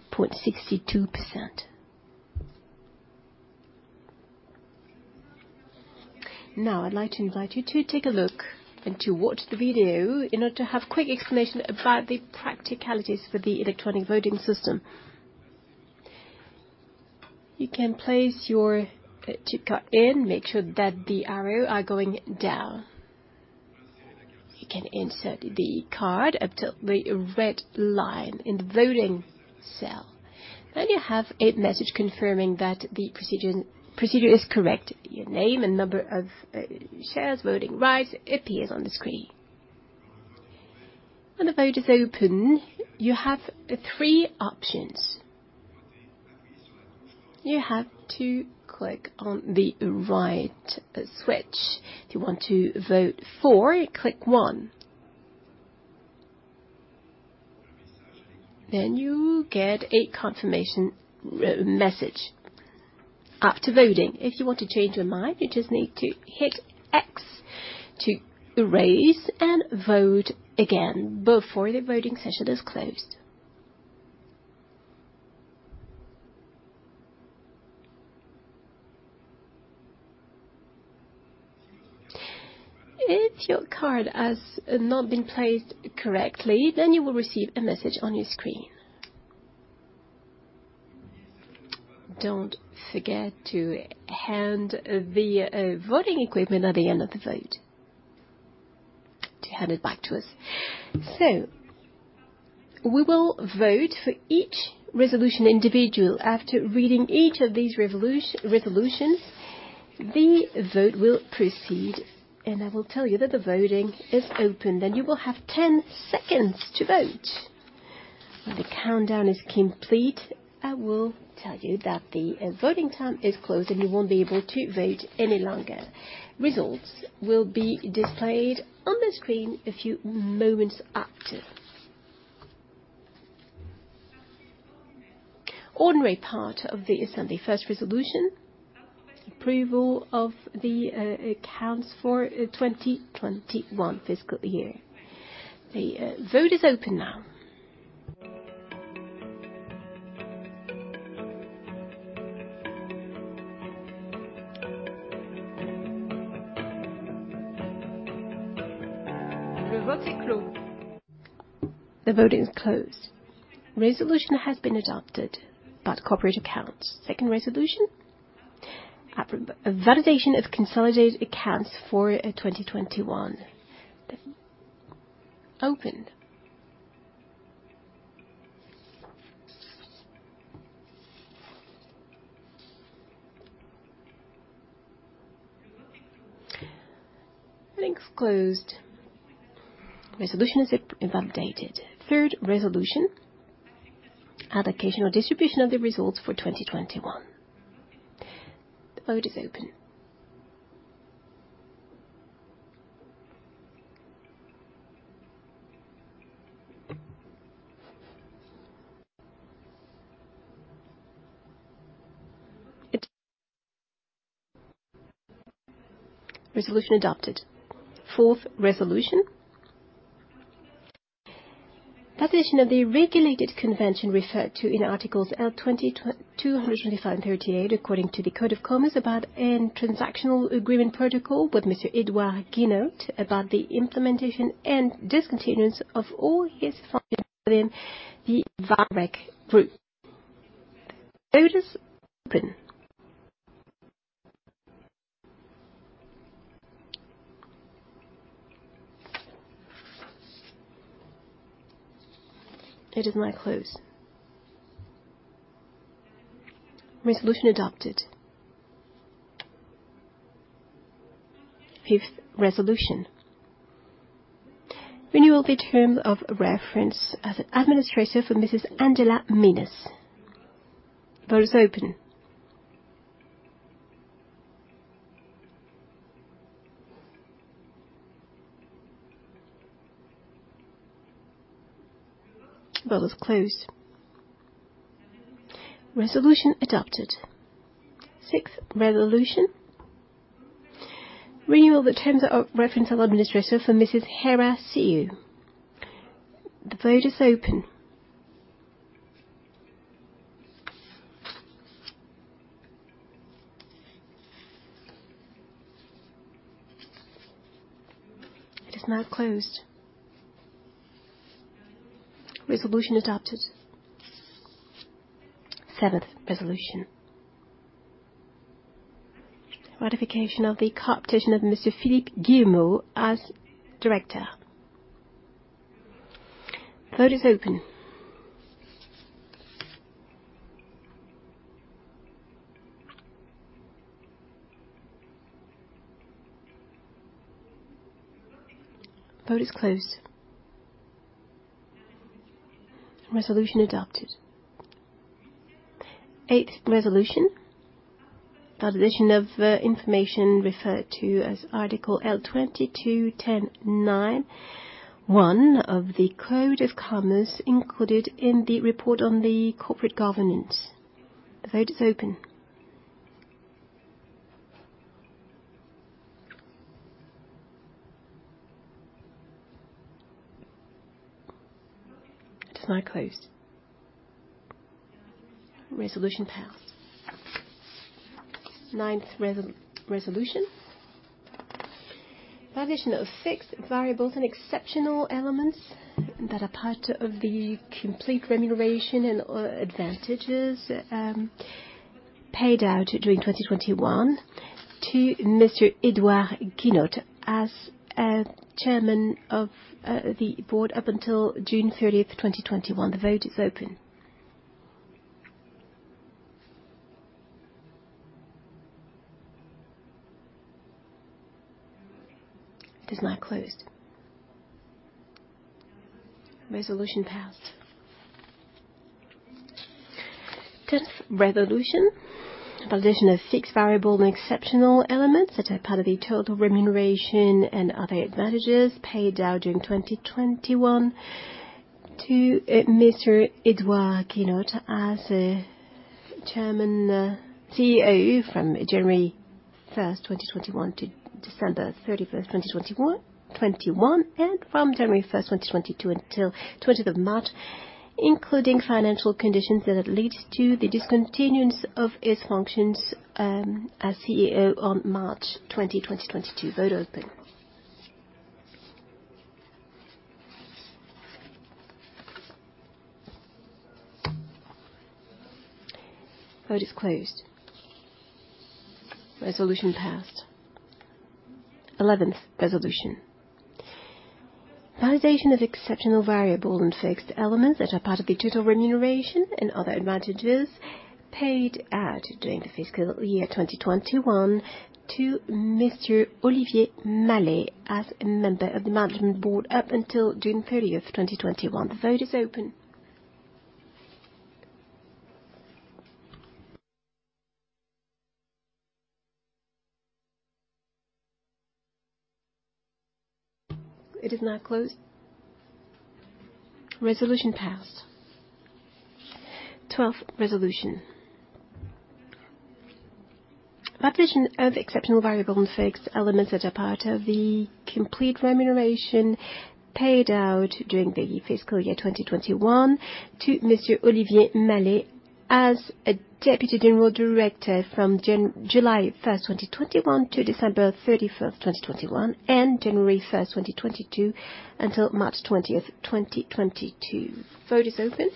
Now, I'd like to invite you to take a look and to watch the video in order to have quick explanation about the practicalities for the electronic voting system. You can place your chip card in. Make sure that the arrow are going down. You can insert the card up till the red line in the voting cell. Then you have a message confirming that the procedure is correct. Your name and number of shares, voting rights appears on the screen. When the vote is open, you have three options. You have to click on the right switch. If you want to vote for, you click one. Then you get a confirmation message. After voting, if you want to change your mind, you just need to hit X to erase and vote again before the voting session is closed. If your card has not been placed correctly, then you will receive a message on your screen. Don't forget to hand the voting equipment at the end of the vote, to hand it back to us. We will vote for each resolution individual. After reading each of these resolutions, the vote will proceed, and I will tell you that the voting is open. You will have 10 seconds to vote. When the countdown is complete, I will tell you that the voting time is closed, and you won't be able to vote any longer. Results will be displayed on the screen a few moments after. Ordinary part of the assembly. First resolution: approval of the accounts for 2021 fiscal year. The vote is open now. The vote is closed. Resolution has been adopted about corporate accounts. Second resolution: validation of consolidated accounts for 2021. Open. It's closed. Resolution adopted. Third resolution: allocation or distribution of the results for 2021. The vote is open. It's closed. Resolution adopted. Fourth resolution: validation of the regulated convention referred to in articles L. 225-38 according to the Code of Commerce about a transactional agreement protocol with Monsieur Edouard Guinotte about the implementation and discontinuance of all his functions within the Vallourec Group. Vote is open. It is now closed. Resolution adopted. Fifth resolution: renewal the terms of reference as administrator for Mrs. Angela Minas. Vote is open. Vote is closed. Resolution adopted. Sixth resolution: renewal the terms of reference of administrator for Mrs. Hera Siu. The vote is open. It is now closed. Resolution adopted. Seventh resolution. Ratification of the co-optation of Mr. Philippe Guillemot as Director. Vote is open. Vote is closed. Resolution adopted. Eighth resolution. Validation of information referred to as Article L 22 10 91 of the Code of Commerce included in the report on the corporate governance. The vote is open. It is now closed. Resolution passed. Ninth resolution. Validation of fixed variables and exceptional elements that are part of the complete remuneration and advantages paid out during 2021 to Mr. Edouard Guinotte as chairman of the board up until June 30th, 2021. The vote is open. It is now closed. Resolution passed. 10th resolution. Validation of fixed variable and exceptional elements that are part of the total remuneration and other advantages paid out during 2021 to Mr. Edouard Guinotte as chairman, CEO from January 1st, 2021 to December 31st, 2021 and from January 1st, 2022 until 20th of March, including financial conditions that had led to the discontinuance of his functions as CEO on March 20, 2022. Vote open. Vote is closed. Resolution passed. 11th resolution. Validation of exceptional variable and fixed elements that are part of the total remuneration and other advantages paid out during the fiscal year 2021 to Mr. Olivier Mallet as a member of the management board up until June 30th, 2021. The vote is open. It is now closed. Resolution passed. 12th resolution. Validation of exceptional variable and fixed elements that are part of the complete remuneration paid out during the fiscal year 2021 to Mr. Olivier Mallet as a deputy general director from July 1st, 2021 to December 31st, 2021 and January 1st, 2022 until March 20th, 2022. Vote is open.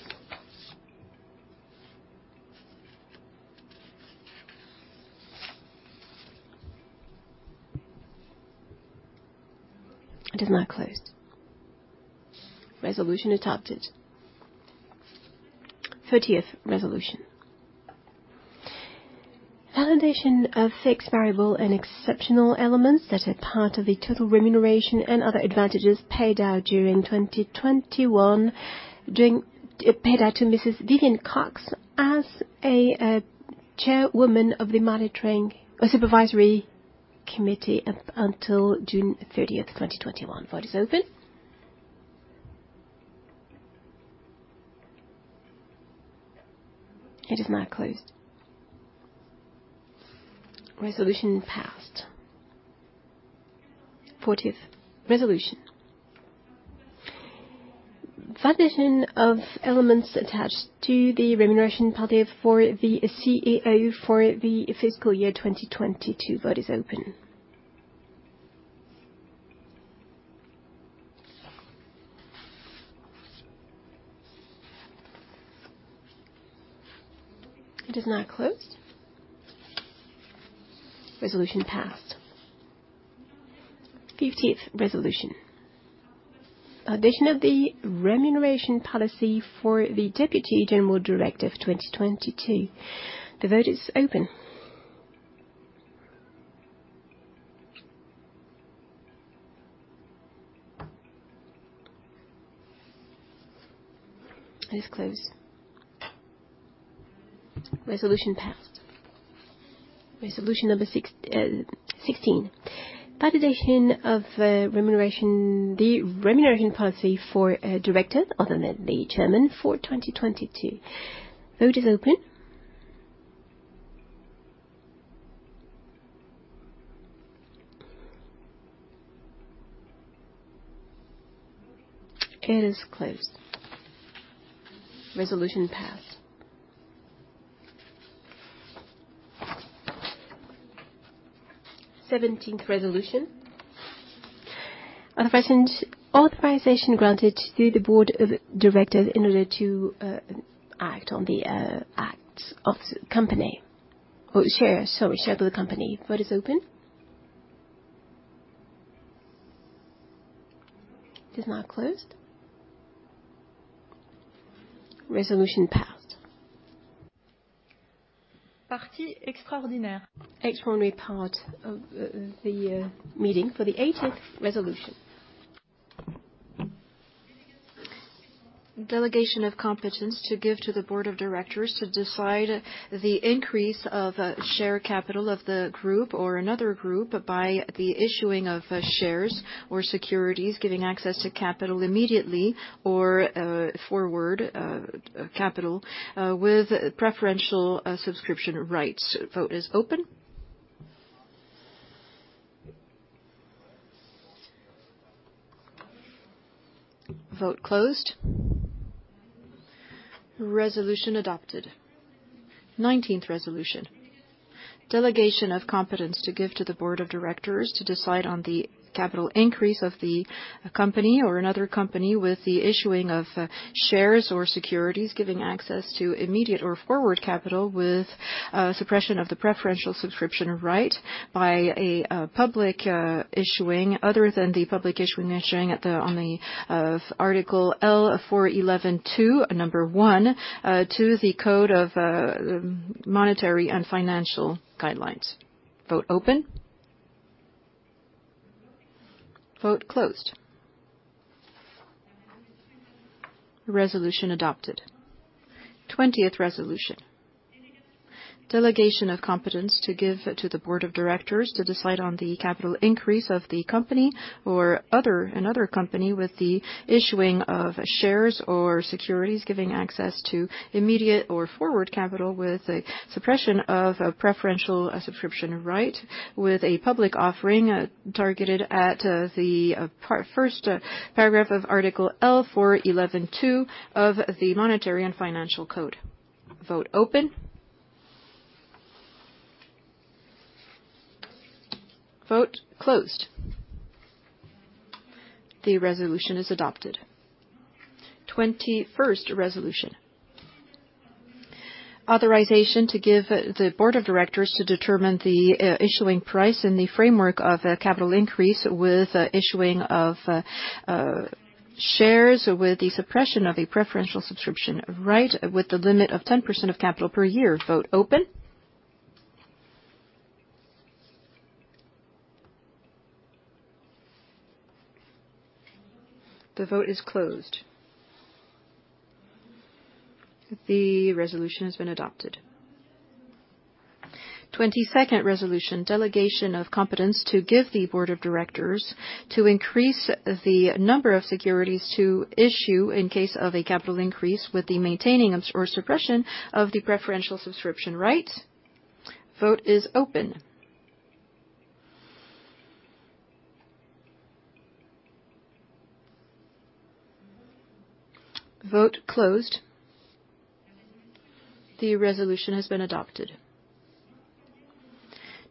It is now closed. Resolution adopted. 13th resolution. Validation of fixed variable and exceptional elements that are part of the total remuneration and other advantages paid out during 2021 to Mrs. Vivienne Cox as a chairwoman of the monitoring or supervisory committee until June 30th, 2021. Vote is open. It is now closed. Resolution passed. 14th resolution. Validation of elements attached to the remuneration policy for the CEO for the fiscal year 2022. Vote is open. It is now closed. Resolution passed. 15th resolution. Validation of the remuneration policy for the deputy general director of 2022. The vote is open. It is closed. Resolution passed. Resolution number 16. Validation of remuneration, the remuneration policy for directors other than the chairman for 2022. Vote is open. Okay, it is closed. Resolution passed. 17th resolution. Authorization granted to the board of directors in order to act on the acts of company or share, sorry, share of the company. Vote is open. Is now closed. Resolution passed. Partie extraordinaire. Extraordinary part of the meeting for the 18th resolution. Delegation of competence to give to the board of directors to decide the increase of share capital of the group or another group by the issuing of shares or securities giving access to capital immediately or forward capital with preferential subscription rights. Vote is open. Vote closed. Resolution adopted. 19th resolution. Delegation of competence to give to the Board of Directors to decide on the capital increase of the Company or another company with the issuing of shares or securities giving access to immediate or forward capital with suppression of the preferential subscription right by a public issuing other than the public issuing mentioned in the Article L. 411-2 number 1 of the Monetary and Financial Code. Vote open. Vote closed. Resolution adopted. 20th resolution. Delegation of competence to give to the board of directors to decide on the capital increase of the company or another company with the issuing of shares or securities giving access to immediate or forward capital with a suppression of a preferential subscription right with a public offering targeted at the first paragraph of article L. 411-2 of the Monetary and Financial Code. Vote open. Vote closed. The resolution is adopted. 21st resolution. Authorization to give the board of directors to determine the issuing price in the framework of a capital increase with issuing of shares with the suppression of a preferential subscription right with the limit of 10% of capital per year. Vote open. The vote is closed. The resolution has been adopted. 22nd resolution. Delegation of competence to give the board of directors to increase the number of securities to issue in case of a capital increase with the maintaining or suppression of the preferential subscription right. Vote is open. Vote closed. The resolution has been adopted.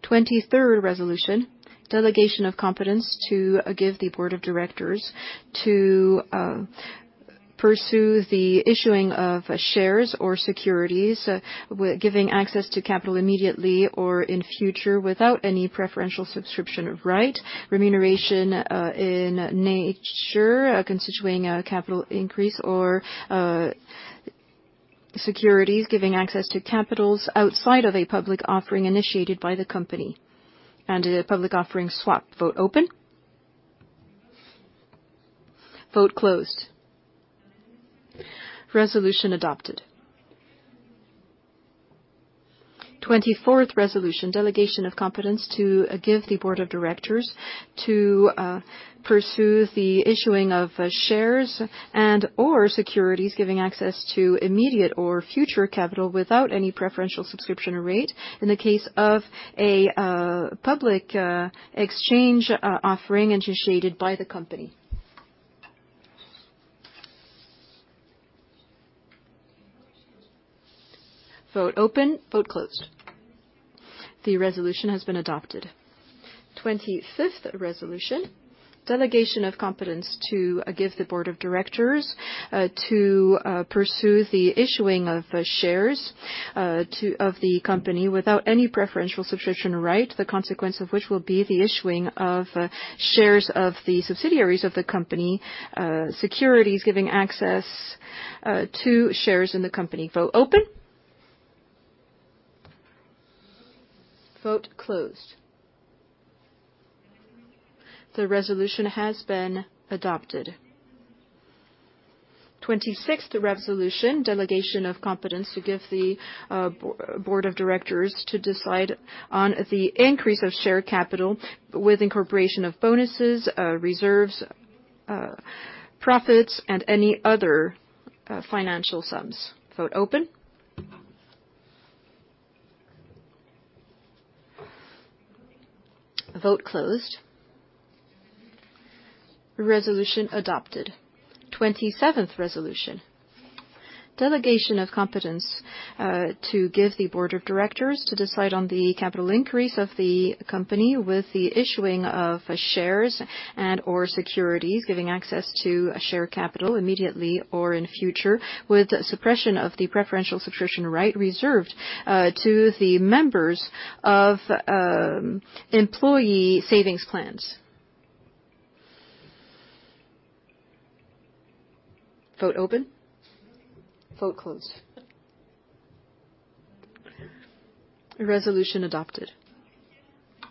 23rd resolution. Delegation of competence to give the board of directors to pursue the issuing of shares or securities giving access to capital immediately or in future without any preferential subscription right, remuneration in nature constituting a capital increase or securities giving access to capital outside of a public offering initiated by the company and a public offering swap. Vote open. Vote closed. Resolution adopted. 24th resolution. Delegation of competence to the board of directors to pursue the issuing of shares and/or securities giving access to immediate or future capital without any preferential subscription right in the case of a public exchange offering initiated by the company. Vote open. Vote closed. The resolution has been adopted. 25th resolution. Delegation of competence to the board of directors to pursue the issuing of shares of the company without any preferential subscription right, the consequence of which will be the issuing of shares of the subsidiaries of the company, securities giving access to shares in the company. Vote open. Vote closed. The resolution has been adopted. 26th resolution. Delegation of competence to give the board of directors to decide on the increase of share capital with incorporation of bonuses, reserves, profits, and any other financial sums. Vote open. Vote closed. Resolution adopted. 27th resolution. Delegation of competence to give the board of directors to decide on the capital increase of the company with the issuing of shares and/or securities, giving access to a share capital immediately or in future, with suppression of the preferential subscription right reserved to the members of employee savings plans. Vote open. Vote closed. Resolution adopted.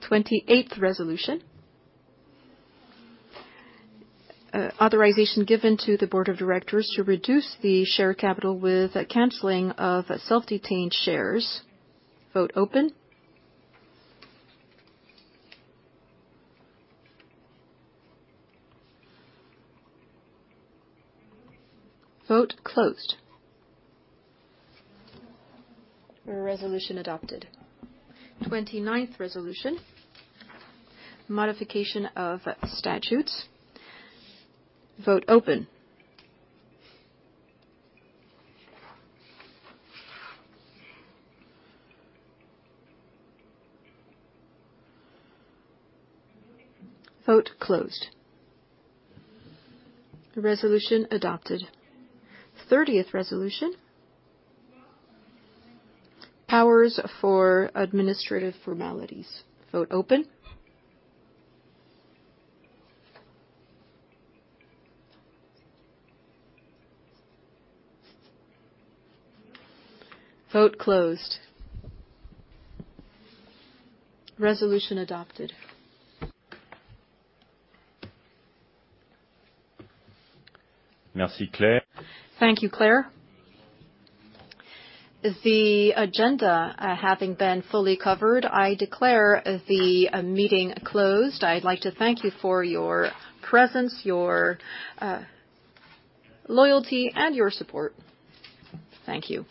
28th resolution. Authorization given to the board of directors to reduce the share capital with a canceling of self-held shares. Vote open. Vote closed. Resolution adopted. 29th resolution. Modification of statutes. Vote open. Vote closed. Resolution adopted. 30th resolution. Powers for administrative formalities. Vote open. Vote closed. Resolution adopted. Thank you, Claire. The agenda, having been fully covered, I declare the meeting closed. I'd like to thank you for your presence, your loyalty, and your support. Thank you.